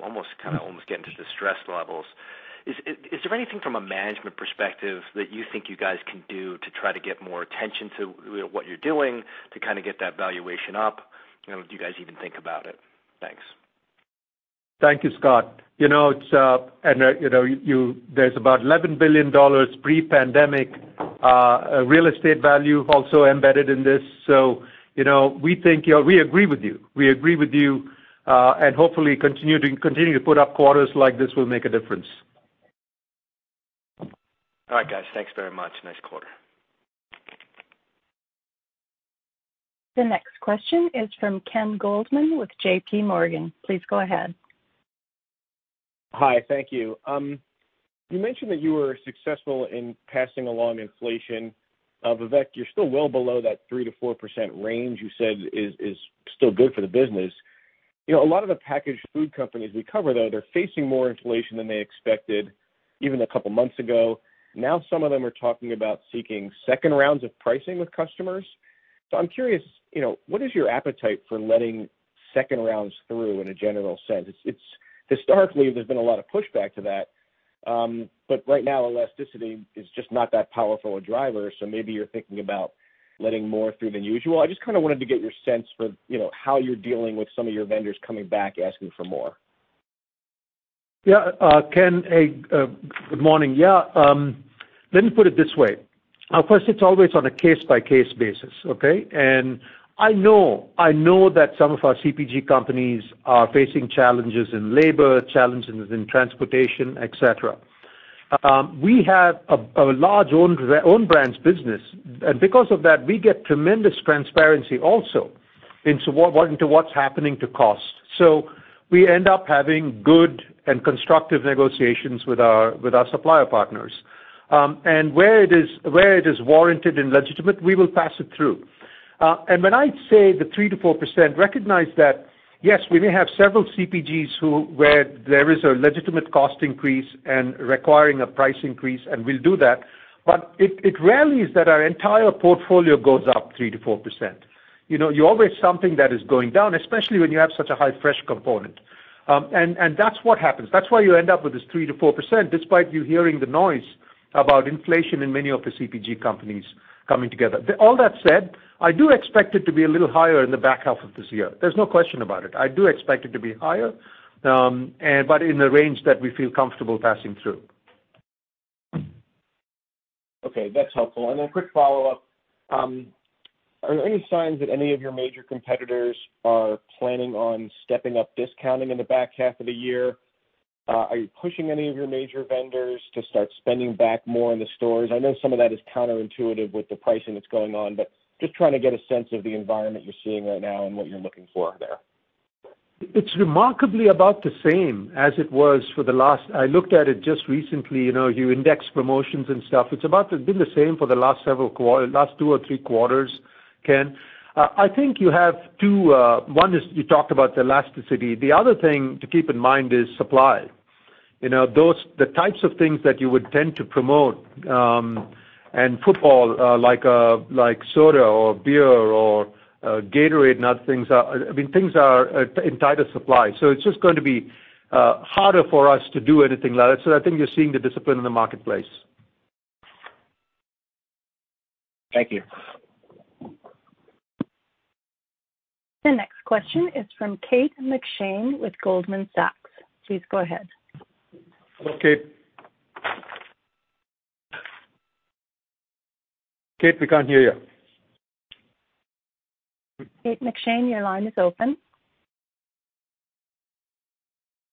Almost kind of getting to distressed levels. Is there anything from a management perspective that you think you guys can do to try to get more attention to what you're doing to kind of get that valuation up? Do you guys even think about it? Thanks. Thank you, Scott. There's about $11 billion pre-pandemic real estate value also embedded in this. We agree with you. We agree with you. Hopefully, continuing to put up quarters like this will make a difference. All right, guys. Thanks very much. Nice quarter. The next question is from Ken Goldman with JPMorgan. Please go ahead. Hi. Thank you. You mentioned that you were successful in passing along inflation. Vivek, you're still well below that 3%-4% range you said is still good for the business. A lot of the packaged food companies we cover, though, they're facing more inflation than they expected even a couple of months ago. Some of them are talking about seeking second rounds of pricing with customers. I'm curious, what is your appetite for letting second rounds through in a general sense? Historically, there's been a lot of pushback to that. Right now, elasticity is just not that powerful a driver, maybe you're thinking about letting more through than usual. I just kind of wanted to get your sense for how you're dealing with some of your vendors coming back, asking for more. Ken, good morning. Let me put it this way. Of course, it's always on a case-by-case basis, okay? I know that some of our CPG companies are facing challenges in labor, challenges in transportation, et cetera. We have a large own brands business. Because of that, we get tremendous transparency also into what's happening to cost. We end up having good and constructive negotiations with our supplier partners. Where it is warranted and legitimate, we will pass it through. When I say the 3%-4%, recognize that, yes, we may have several CPGs where there is a legitimate cost increase and requiring a price increase, and we'll do that. It rarely is that our entire portfolio goes up 3%-4%. You always something that is going down, especially when you have such a high fresh component. That's what happens. That's why you end up with this 3%-4%, despite you hearing the noise about inflation in many of the CPG companies coming together. All that said, I do expect it to be a little higher in the back half of this year. There's no question about it. I do expect it to be higher, but in the range that we feel comfortable passing through. Okay. That's helpful. Quick follow-up. Are there any signs that any of your major competitors are planning on stepping up discounting in the back half of the year? Are you pushing any of your major vendors to start spending back more in the stores? I know some of that is counterintuitive with the pricing that's going on, just trying to get a sense of the environment you're seeing right now and what you're looking for there. It's remarkably about the same as it was. I looked at it just recently. You index promotions and stuff. It's about been the same for the last two or three quarters, Ken. I think you have two. One is you talked about the elasticity. The other thing to keep in mind is supply. The types of things that you would tend to promote and put forward like soda or beer or Gatorade and other things are in tighter supply. It's just going to be harder for us to do anything like that. I think you're seeing the discipline in the marketplace. Thank you. The next question is from Kate McShane with Goldman Sachs. Please go ahead. Hello, Kate. Kate, we can't hear you. Kate McShane, your line is open.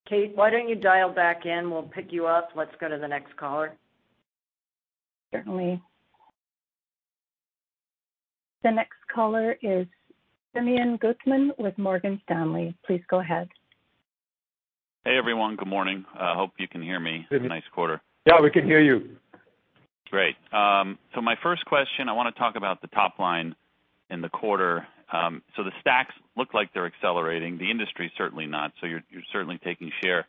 Kate, why don't you dial back in? We'll pick you up. Let's go to the next caller. Certainly. The next caller is Simeon Gutman with Morgan Stanley. Please go ahead. Hey, everyone. Good morning. Hope you can hear me. Nice quarter. Yeah, we can hear you. Great. My first question, I want to talk about the top line in the quarter. The stacks look like they're accelerating. The industry's certainly not, so you're certainly taking share.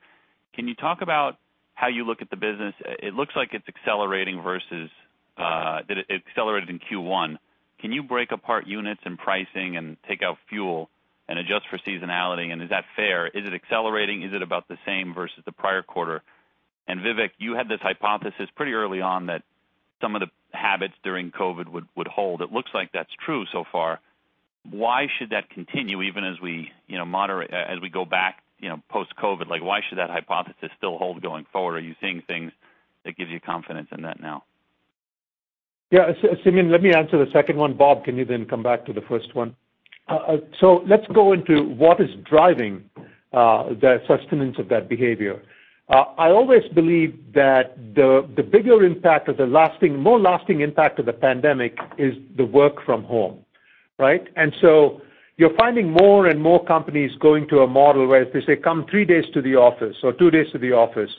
Can you talk about how you look at the business? It looks like it's accelerating versus that it accelerated in Q1. Can you break apart units and pricing and take out fuel and adjust for seasonality, and is that fair? Is it accelerating? Is it about the same versus the prior quarter? Vivek, you had this hypothesis pretty early on that some of the habits during COVID would hold. It looks like that's true so far. Why should that continue even as we go back post-COVID? Why should that hypothesis still hold going forward? Are you seeing things that give you confidence in that now? Yeah. Simeon, let me answer the second one. Bob, can you then come back to the first one? Let's go into what is driving the sustenance of that behavior. I always believe that the bigger impact or the more lasting impact of the pandemic is the work from home, right? You're finding more and more companies going to a model where they say, "Come three days to the office or two days to the office,"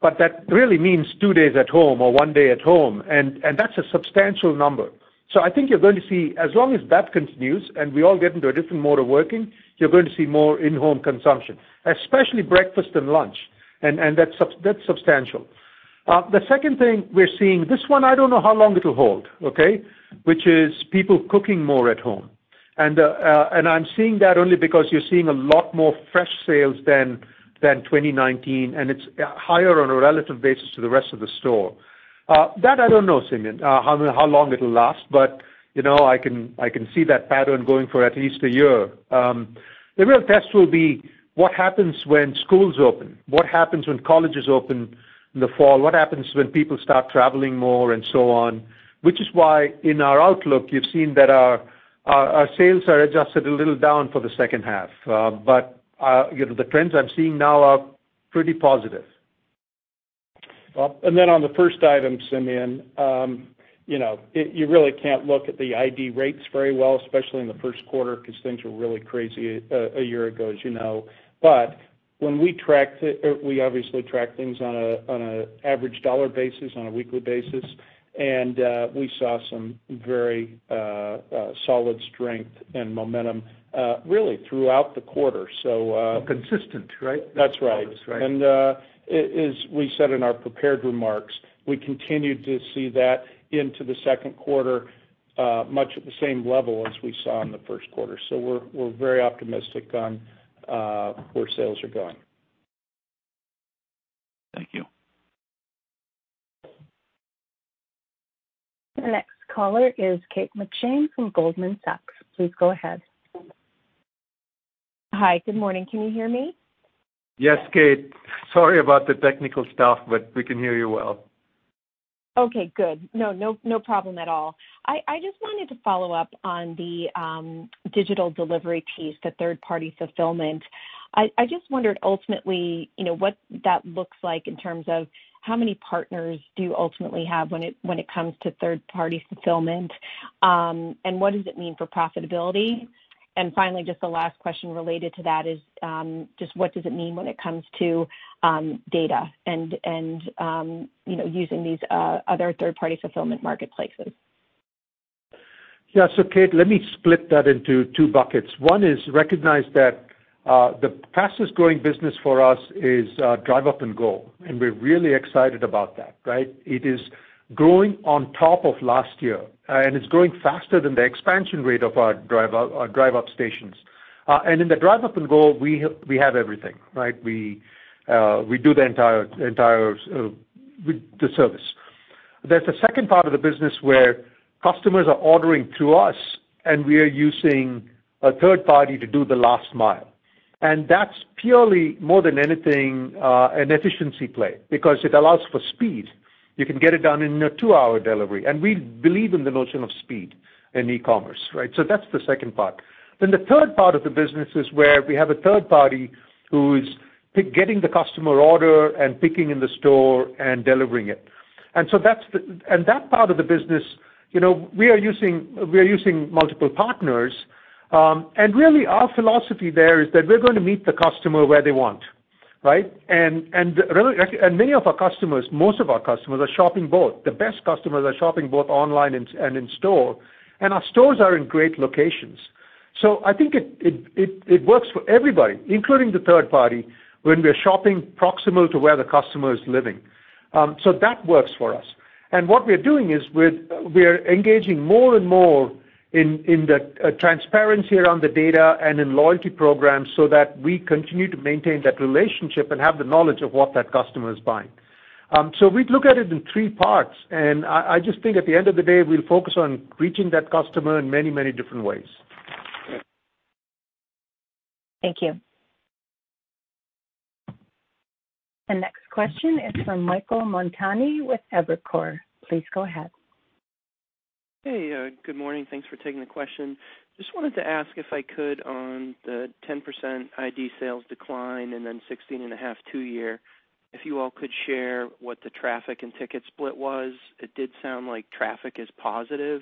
but that really means two days at home or one day at home, and that's a substantial number. I think you're going to see, as long as that continues and we all get into a different mode of working, you're going to see more in-home consumption, especially breakfast and lunch. That's substantial. The second thing we're seeing, this one, I don't know how long it'll hold, okay? Which is people cooking more at home. I'm seeing that only because you're seeing a lot more fresh sales than 2019, and it's higher on a relative basis to the rest of the store. That I don't know, Simeon, how long it'll last. I can see that pattern going for at least a year. The real test will be what happens when schools open, what happens when colleges open in the fall, what happens when people start traveling more, and so on. In our outlook, you've seen that our sales are adjusted a little down for the second half. The trends I'm seeing now are pretty positive. On the first item, Simeon, you really can't look at the ID rates very well, especially in the first quarter, because things were really crazy a year ago, as you know. When we tracked it, we obviously track things on an average dollar basis, on a weekly basis, and we saw some very solid strength and momentum, really throughout the quarter. Consistent, right? That's right. As we said in our prepared remarks, we continued to see that into the second quarter much at the same level as we saw in the first quarter. We're very optimistic on where sales are going. Thank you. The next caller is Kate McShane from Goldman Sachs. Please go ahead. Hi. Good morning. Can you hear me? Yes, Kate. Sorry about the technical stuff, but we can hear you well. Okay, good. No problem at all. I just wanted to follow up on the digital delivery piece, the third-party fulfillment. I just wondered, ultimately, what that looks like in terms of how many partners do you ultimately have when it comes to third-party fulfillment? What does it mean for profitability? Finally, just the last question related to that is, just what does it mean when it comes to data and using these other third-party fulfillment marketplaces? Yeah. Kate, let me split that into two buckets. One is recognize that the fastest growing business for us is DriveUp & Go, and we're really excited about that. It is growing on top of last year, and it's growing faster than the expansion rate of our drive-up stations. In the DriveUp & Go, we have everything. We do the entire service. There's a second part of the business where customers are ordering through us, and we are using a third party to do the last mile. That's purely, more than anything, an efficiency play because it allows for speed. You can get it done in a two-hour delivery. We believe in the notion of speed in e-commerce. That's the second part. The third part of the business is where we have a third party who's getting the customer order and picking in the store and delivering it. That part of the business, we are using multiple partners. Really our philosophy there is that we're going to meet the customer where they want. Many of our customers, most of our customers, are shopping both. The best customers are shopping both online and in store. Our stores are in great locations. I think it works for everybody, including the third party, when we are shopping proximal to where the customer is living. That works for us. What we are doing is we are engaging more and more in the transparency around the data and in loyalty programs so that we continue to maintain that relationship and have the knowledge of what that customer is buying. We look at it in three parts, and I just think at the end of the day, we'll focus on reaching that customer in many different ways. Thank you. The next question is from Michael Montani with Evercore. Please go ahead. Hey, good morning. Thanks for taking the question. Just wanted to ask, if I could, on the 10% identical sales decline and then 16.5% two-year, if you all could share what the traffic and ticket split was. It did sound like traffic is positive.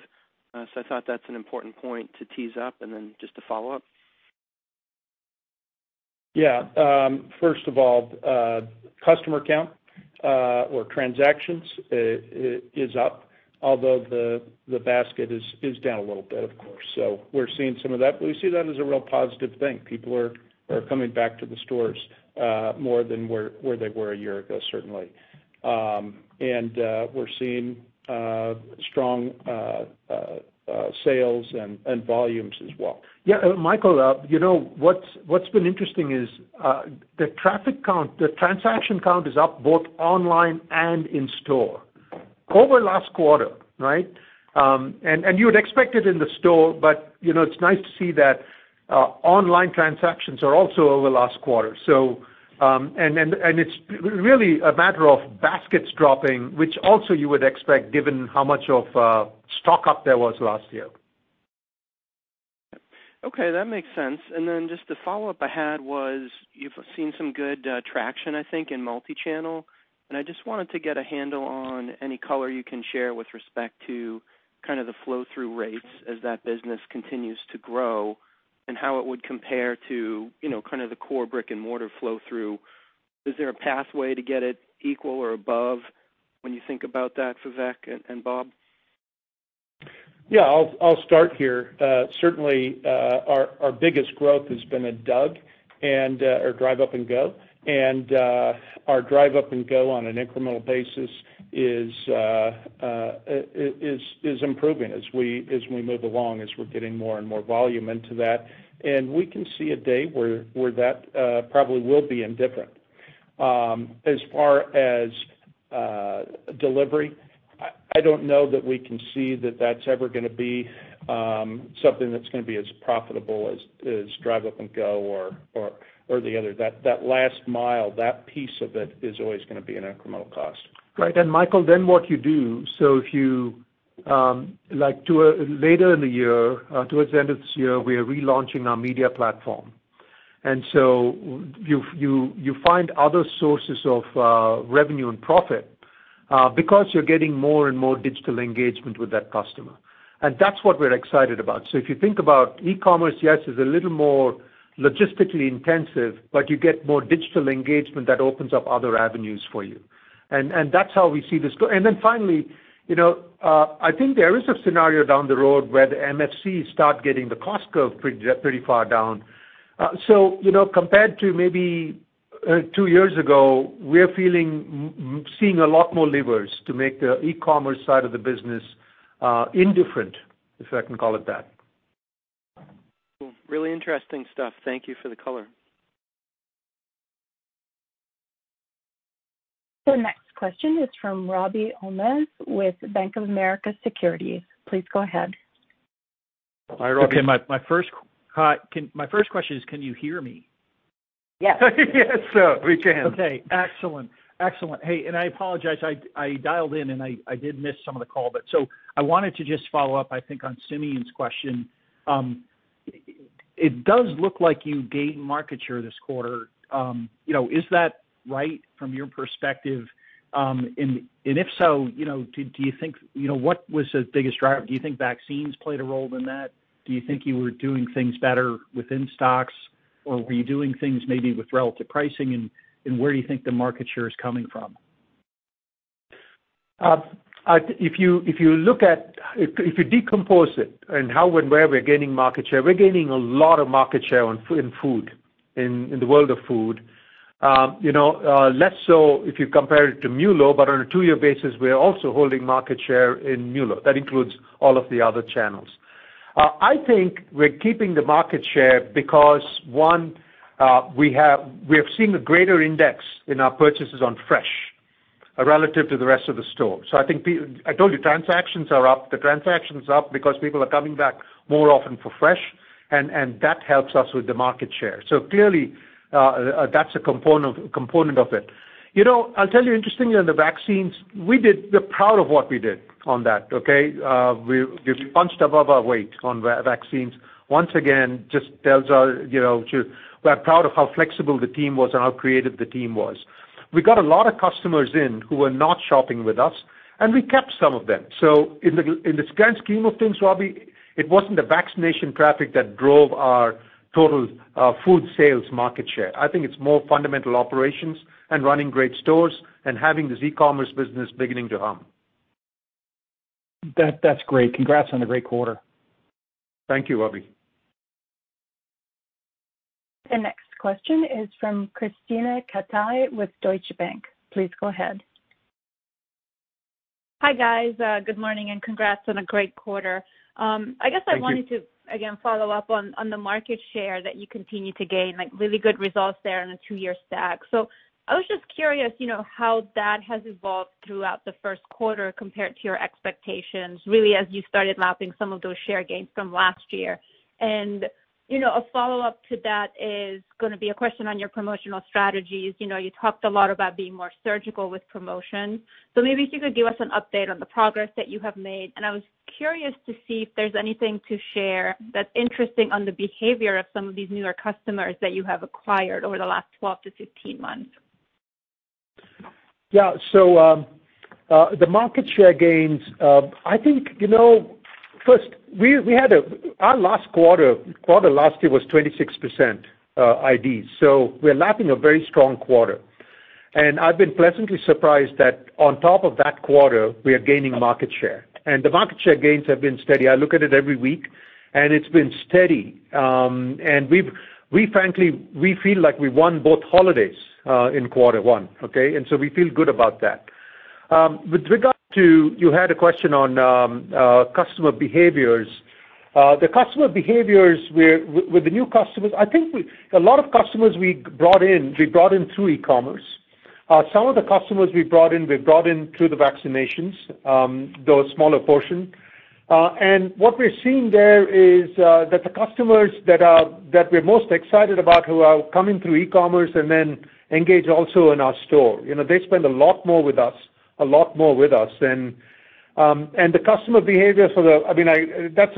I thought that's an important point to tease up. Just a follow-up. Yeah. First of all, customer count or transactions is up, although the basket is down a little bit, of course. We're seeing some of that, but we see that as a real positive thing. People are coming back to the stores more than where they were a year ago, certainly. We're seeing strong sales and volumes as well. Yeah. Michael, what's been interesting is the traffic count, the transaction count is up both online and in store over last quarter. You would expect it in the store, but it's nice to see that online transactions are also over last quarter. It's really a matter of baskets dropping, which also you would expect given how much of a stock-up there was last year. Okay, that makes sense. Just the follow-up I had was, you've seen some good traction, I think, in multi-channel, and I just wanted to get a handle on any color you can share with respect to kind of the flow through rates as that business continues to grow and how it would compare to kind of the core brick and mortar flow through. Is there a pathway to get it equal or above when you think about that, Vivek and Bob? Yeah, I'll start here. Certainly, our biggest growth has been at DUG, our DriveUp & Go. Our DriveUp & Go on an incremental basis is improving as we move along, as we're getting more and more volume into that. We can see a day where that probably will be indifferent. As far as delivery, I don't know that we can see that that's ever going to be something that's going to be as profitable as DriveUp & Go or the other. That last mile, that piece of it is always going to be an incremental cost. Right. Michael, then what you do, if you like later in the year, towards the end of this year, we are relaunching our media platform. You find other sources of revenue and profit because you're getting more and more digital engagement with that customer. That's what we're excited about. If you think about e-commerce, yes, it's a little more logistically intensive, but you get more digital engagement that opens up other avenues for you. That's how we see this go. Finally, I think there is a scenario down the road where the MFC start getting the cost curve pretty far down. Compared to maybe two years ago, we're seeing a lot more levers to make the e-commerce side of the business indifferent, if I can call it that. Cool. Really interesting stuff. Thank you for the color. The next question is from Robbie Ohmes with Bank of America Securities. Please go ahead. Hi, Robbie. Okay. My first question is, can you hear me? Yes. We can. Excellent. Excellent. Hey, I apologize, I dialed in, I did miss some of the call. I wanted to just follow up, I think, on Simeon's question. It does look like you gained market share this quarter. Is that right from your perspective? If so, what was the biggest driver? Do you think vaccines played a role in that? Do you think you were doing things better with in-stocks, or were you doing things maybe with relative pricing? Where do you think the market share is coming from? If you decompose it and how and where we're gaining market share, we're gaining a lot of market share in food, in the world of food. Less so if you compare it to MULO, but on a two-year basis, we are also holding market share in MULO. That includes all of the other channels. I think we're keeping the market share because, one, we have seen a greater index in our purchases on fresh relative to the rest of the store. I told you, transactions are up. The transaction's up because people are coming back more often for fresh, and that helps us with the market share. Clearly, that's a component of it. I'll tell you, interestingly, on the vaccines, we're proud of what we did on that. Okay? We punched above our weight on vaccines. Once again, just tells you we're proud of how flexible the team was and how creative the team was. We got a lot of customers in who were not shopping with us, and we kept some of them. In the grand scheme of things, Robbie, it wasn't the vaccination traffic that drove our total food sales market share. I think it's more fundamental operations and running great stores and having this e-commerce business beginning to hum. That's great. Congrats on the great quarter. Thank you, Robbie. The next question is from Krisztina Katai with Deutsche Bank. Please go ahead. Hi, guys. Good morning, and congrats on a great quarter. Thank you. I guess I wanted to, again, follow up on the market share that you continue to gain, like really good results there on a two-year stack. I was just curious how that has evolved throughout the first quarter compared to your expectations, really, as you started lapping some of those share gains from last year. A follow-up to that is going to be a question on your promotional strategies. You talked a lot about being more surgical with promotions. Maybe if you could give us an update on the progress that you have made. I was curious to see if there's anything to share that's interesting on the behavior of some of these newer customers that you have acquired over the last 12-15 months. The market share gains, I think first, our last quarter last year was 26% ID. We're lapping a very strong quarter. I've been pleasantly surprised that on top of that quarter, we are gaining market share. The market share gains have been steady. I look at it every week, and it's been steady. We frankly feel like we won both holidays in quarter one. Okay? We feel good about that. You had a question on customer behaviors. The customer behaviors with the new customers, I think a lot of customers we brought in through e-commerce. Some of the customers we brought in through the vaccinations, though a smaller portion. What we're seeing there is that the customers that we're most excited about, who are coming through e-commerce and then engage also in our store. They spend a lot more with us. The customer behavior. That's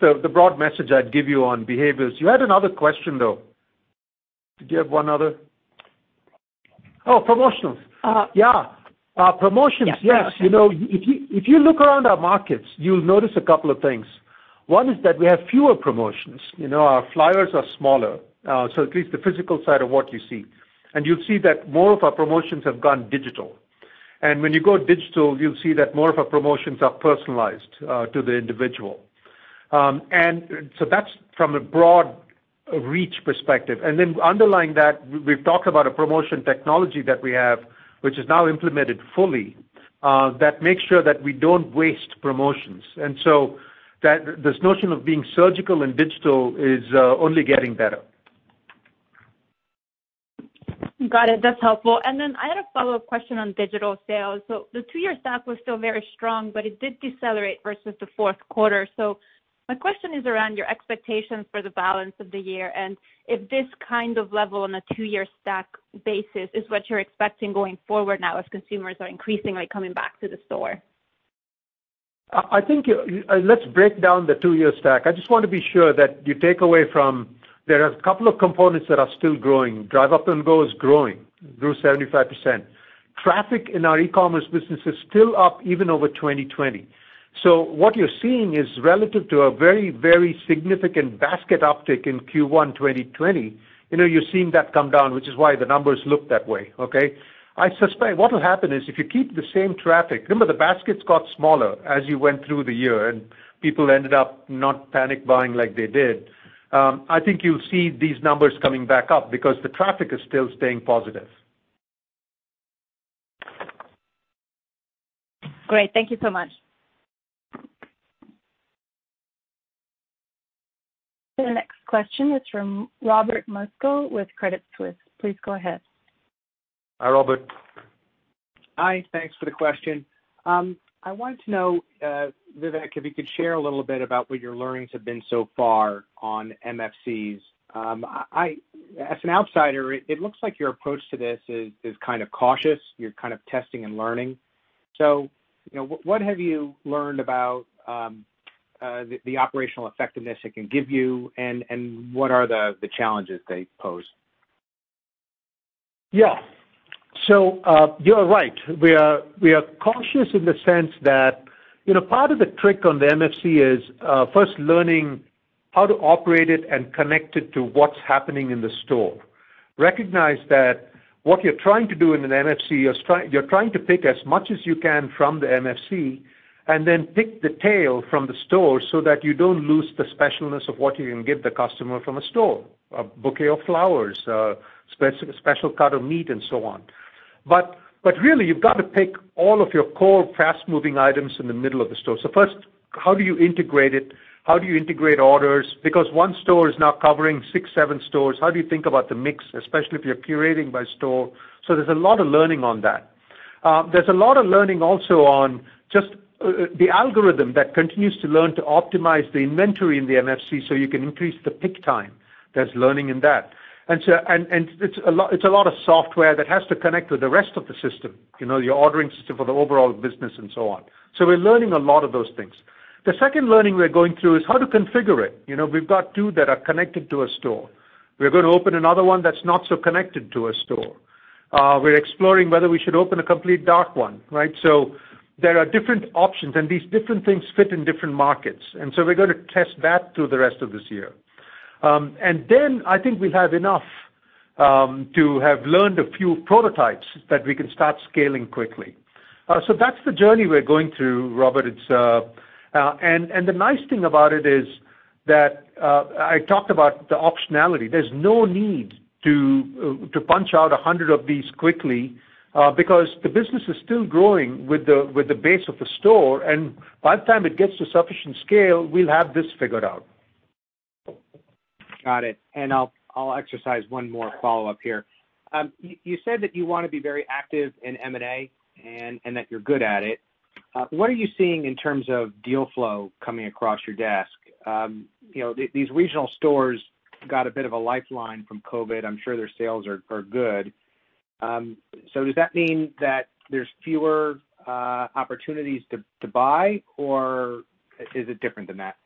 the broad message I'd give you on behaviors. You had another question, though. Did you have one other? Promotions. Yeah. Promotions. Yes. If you look around our markets, you'll notice a couple of things. One is that we have fewer promotions. Our flyers are smaller, so at least the physical side of what you see. You'll see that more of our promotions have gone digital. When you go digital, you'll see that more of our promotions are personalized to the individual. That's from a broad reach perspective. Underlying that, we've talked about a promotion technology that we have, which is now implemented fully, that makes sure that we don't waste promotions. This notion of being surgical and digital is only getting better. Got it. That's helpful. I had a follow-up question on digital sales. The two-year stack was still very strong, but it did decelerate versus the fourth quarter. My question is around your expectations for the balance of the year and if this kind of level on a two-year stack basis is what you're expecting going forward now as consumers are increasingly coming back to the store. Let's break down the two-year stack. I just want to be sure that you take away from, there are a couple of components that are still growing. DriveUp & Go is growing, grew 75%. Traffic in our e-commerce business is still up even over 2020. What you're seeing is relative to a very, very significant basket uptick in Q1 2020. You're seeing that come down, which is why the numbers look that way, okay. I suspect what will happen is if you keep the same traffic, remember the baskets got smaller as you went through the year and people ended up not panic buying like they did. I think you'll see these numbers coming back up because the traffic is still staying positive. Great. Thank you so much. The next question is from Robert Moskow with Credit Suisse. Please go ahead. Hi, Robert. Hi. Thanks for the question. I wanted to know, Vivek, if you could share a little bit about what your learnings have been so far on MFCs. As an outsider, it looks like your approach to this is kind of cautious. You're kind of testing and learning. What have you learned about the operational effectiveness it can give you and what are the challenges they pose? You're right. We are cautious in the sense that, part of the trick on the MFC is first learning how to operate it and connect it to what's happening in the store. Recognize that what you're trying to do in an MFC, you're trying to pick as much as you can from the MFC and then pick the tail from the store so that you don't lose the specialness of what you can give the customer from a store. A bouquet of flowers, a special cut of meat and so on. Really, you've got to pick all of your core fast-moving items in the middle of the store. First, how do you integrate it? How do you integrate orders? One store is now covering six, seven stores. How do you think about the mix, especially if you're curating by store? There's a lot of learning on that. There's a lot of learning also on just the algorithm that continues to learn to optimize the inventory in the MFC so you can increase the pick time. There's learning in that. It's a lot of software that has to connect with the rest of the system, your ordering system for the overall business and so on. We're learning a lot of those things. The second learning we're going through is how to configure it. We've got two that are connected to a store. We're going to open another one that's not so connected to a store. We're exploring whether we should open a complete [dark one], right? There are different options, and these different things fit in different markets. We're going to test that through the rest of this year. I think we'll have enough to have learned a few prototypes that we can start scaling quickly. That's the journey we're going through, Robert. The nice thing about it is that I talked about the optionality. There's no need to punch out 100 of these quickly because the business is still growing with the base of the store, and by the time it gets to sufficient scale, we'll have this figured out. Got it. I'll exercise one more follow-up here. You said that you want to be very active in M&A and that you're good at it. What are you seeing in terms of deal flow coming across your desk? These regional stores got a bit of a lifeline from COVID. I'm sure their sales are good. Does that mean that there's fewer opportunities to buy or is it different than that?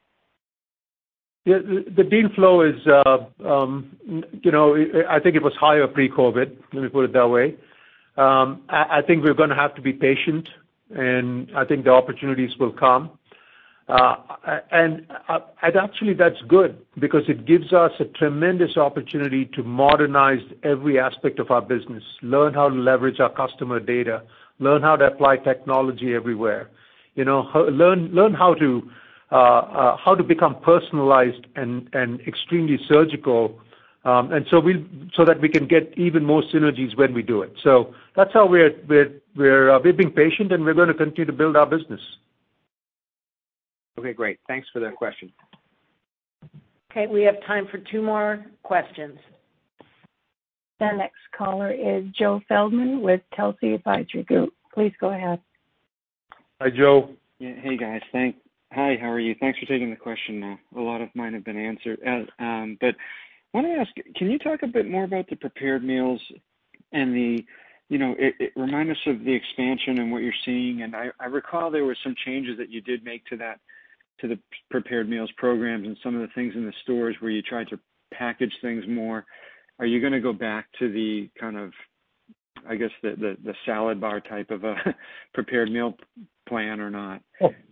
The deal flow is, I think it was higher pre-COVID. Let me put it that way. I think we're going to have to be patient, and I think the opportunities will come. Actually that's good because it gives us a tremendous opportunity to modernize every aspect of our business, learn how to leverage our customer data, learn how to apply technology everywhere. Learn how to become personalized and extremely surgical so that we can get even more synergies when we do it. That's how we're being patient, and we're going to continue to build our business. Okay, great. Thanks for that question. Okay, we have time for two more questions. The next caller is Joe Feldman with Telsey Advisory Group. Please go ahead. Hi, Joe. Hey, guys. Hi, how are you? Thanks for taking the question. A lot of mine have been answered. Let me ask, can you talk a bit more about the prepared meals and remind us of the expansion and what you're seeing. I recall there were some changes that you did make to the prepared meals programs and some of the things in the stores where you tried to package things more. Are you going to go back to the kind of, I guess, the salad bar type of a prepared meal plan or not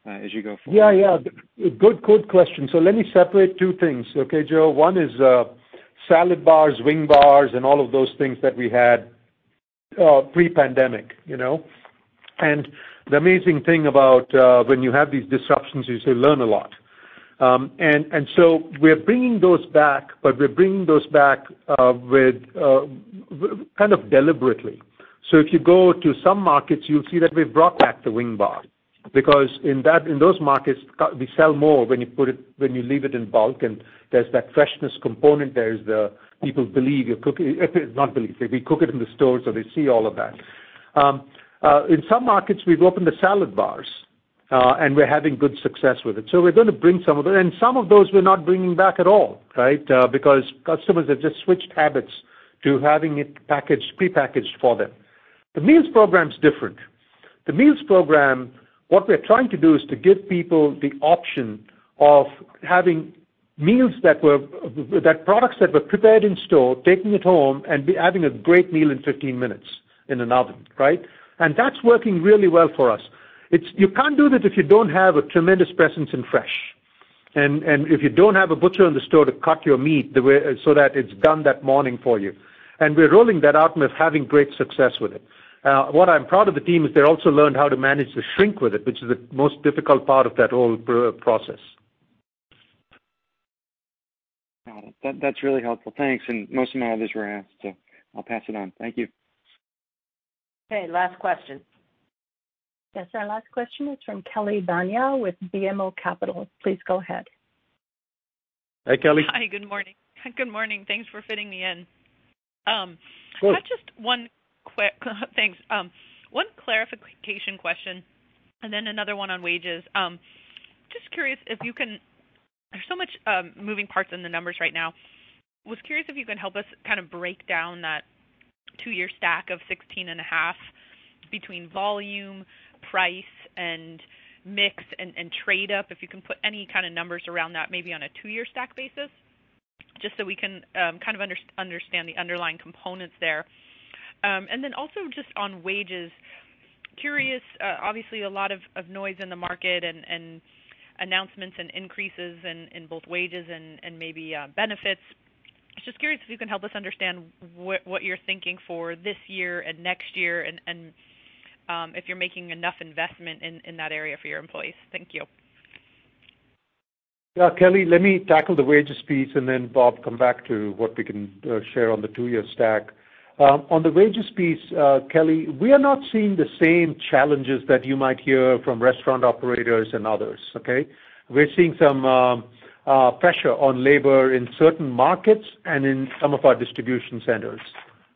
as you go forward? Yeah. Good question. Let me separate two things, okay, Joe? One is salad bars, wing bars, and all of those things that we had pre-pandemic. The amazing thing about when you have these disruptions is you learn a lot. We're bringing those back, but we're bringing those back, kind of deliberately. If you go to some markets, you'll see that we've brought back the wing bar because in those markets, we sell more when you leave it in bulk and there's that freshness component, there is the people believe you're cooking. Not believe. We cook it in the store, so they see all of that. In some markets, we've opened the salad bars. We're having good success with it. We're going to bring some of it, and some of those we're not bringing back at all, right? Customers have just switched habits to having it prepackaged for them. The meals program is different. The meals program, what we're trying to do is to give people the option of having meals, products that were prepared in store, taking it home, and be having a great meal in 15 minutes in an oven, right? That's working really well for us. You can't do that if you don't have a tremendous presence in fresh, and if you don't have a butcher in the store to cut your meat so that it's done that morning for you. We're rolling that out and we're having great success with it. What I'm proud of the team is they also learned how to manage the shrink with it, which is the most difficult part of that whole process. Got it. That's really helpful. Thanks. Most of my others were asked, so I'll pass it on. Thank you. Okay, last question. Yes, our last question is from Kelly Bania with BMO Capital. Please go ahead. Hi, Kelly. Hi, good morning. Thanks for fitting me in. Of course. Thanks. One clarification question, another one on wages. There's so much moving parts in the numbers right now. Was curious if you can help us kind of break down that two-year stack of 16.5 between volume, price, and mix, and trade up? If you can put any kind of numbers around that, maybe on a two-year stack basis, just so we can kind of understand the underlying components there. Also just on wages. Curious, obviously a lot of noise in the market and announcements and increases in both wages and maybe benefits. Just curious if you can help us understand what you're thinking for this year and next year, and if you're making enough investment in that area for your employees? Thank you. Yeah, Kelly, let me tackle the wages piece and then, Bob, come back to what we can share on the two-year stack. On the wages piece, Kelly, we are not seeing the same challenges that you might hear from restaurant operators and others, okay? We're seeing some pressure on labor in certain markets and in some of our distribution centers.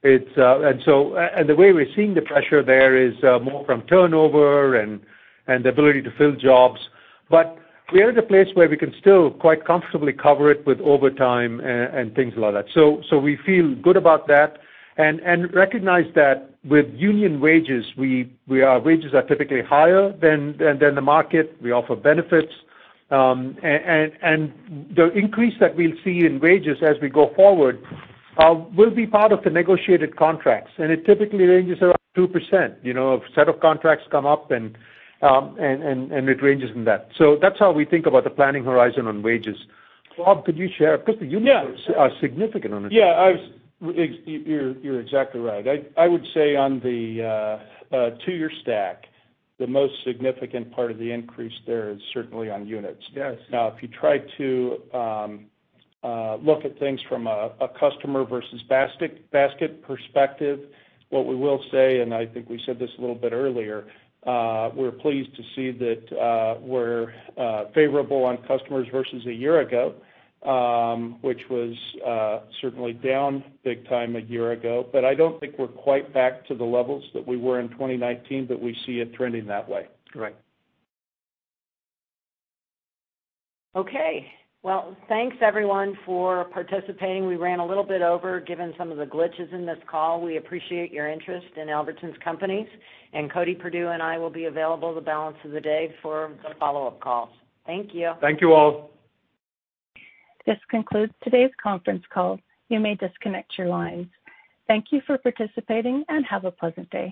The way we're seeing the pressure there is more from turnover and the ability to fill jobs. We are at a place where we can still quite comfortably cover it with overtime and things like that. We feel good about that and recognize that with union wages, our wages are typically higher than the market. We offer benefits. The increase that we'll see in wages as we go forward will be part of the negotiated contracts, and it typically ranges around 2%. A set of contracts come up, and it ranges in that. That's how we think about the planning horizon on wages. Bob, could you share, because the units are significant on this. Yeah. You're exactly right. I would say on the two-year stack, the most significant part of the increase there is certainly on units. Yes. If you try to look at things from a customer versus basket perspective, what we will say, and I think we said this a little bit earlier, we're pleased to see that we're favorable on customers versus a year ago, which was certainly down big time a year ago. I don't think we're quite back to the levels that we were in 2019, but we see it trending that way. Correct. Okay. Well, thanks everyone for participating. We ran a little bit over, given some of the glitches in this call. We appreciate your interest in Albertsons Companies, and Cody Perdue, and I will be available the balance of the day for follow-up calls. Thank you. Thank you all. This concludes today's conference call. You may disconnect your lines. Thank you for participating and have a pleasant day.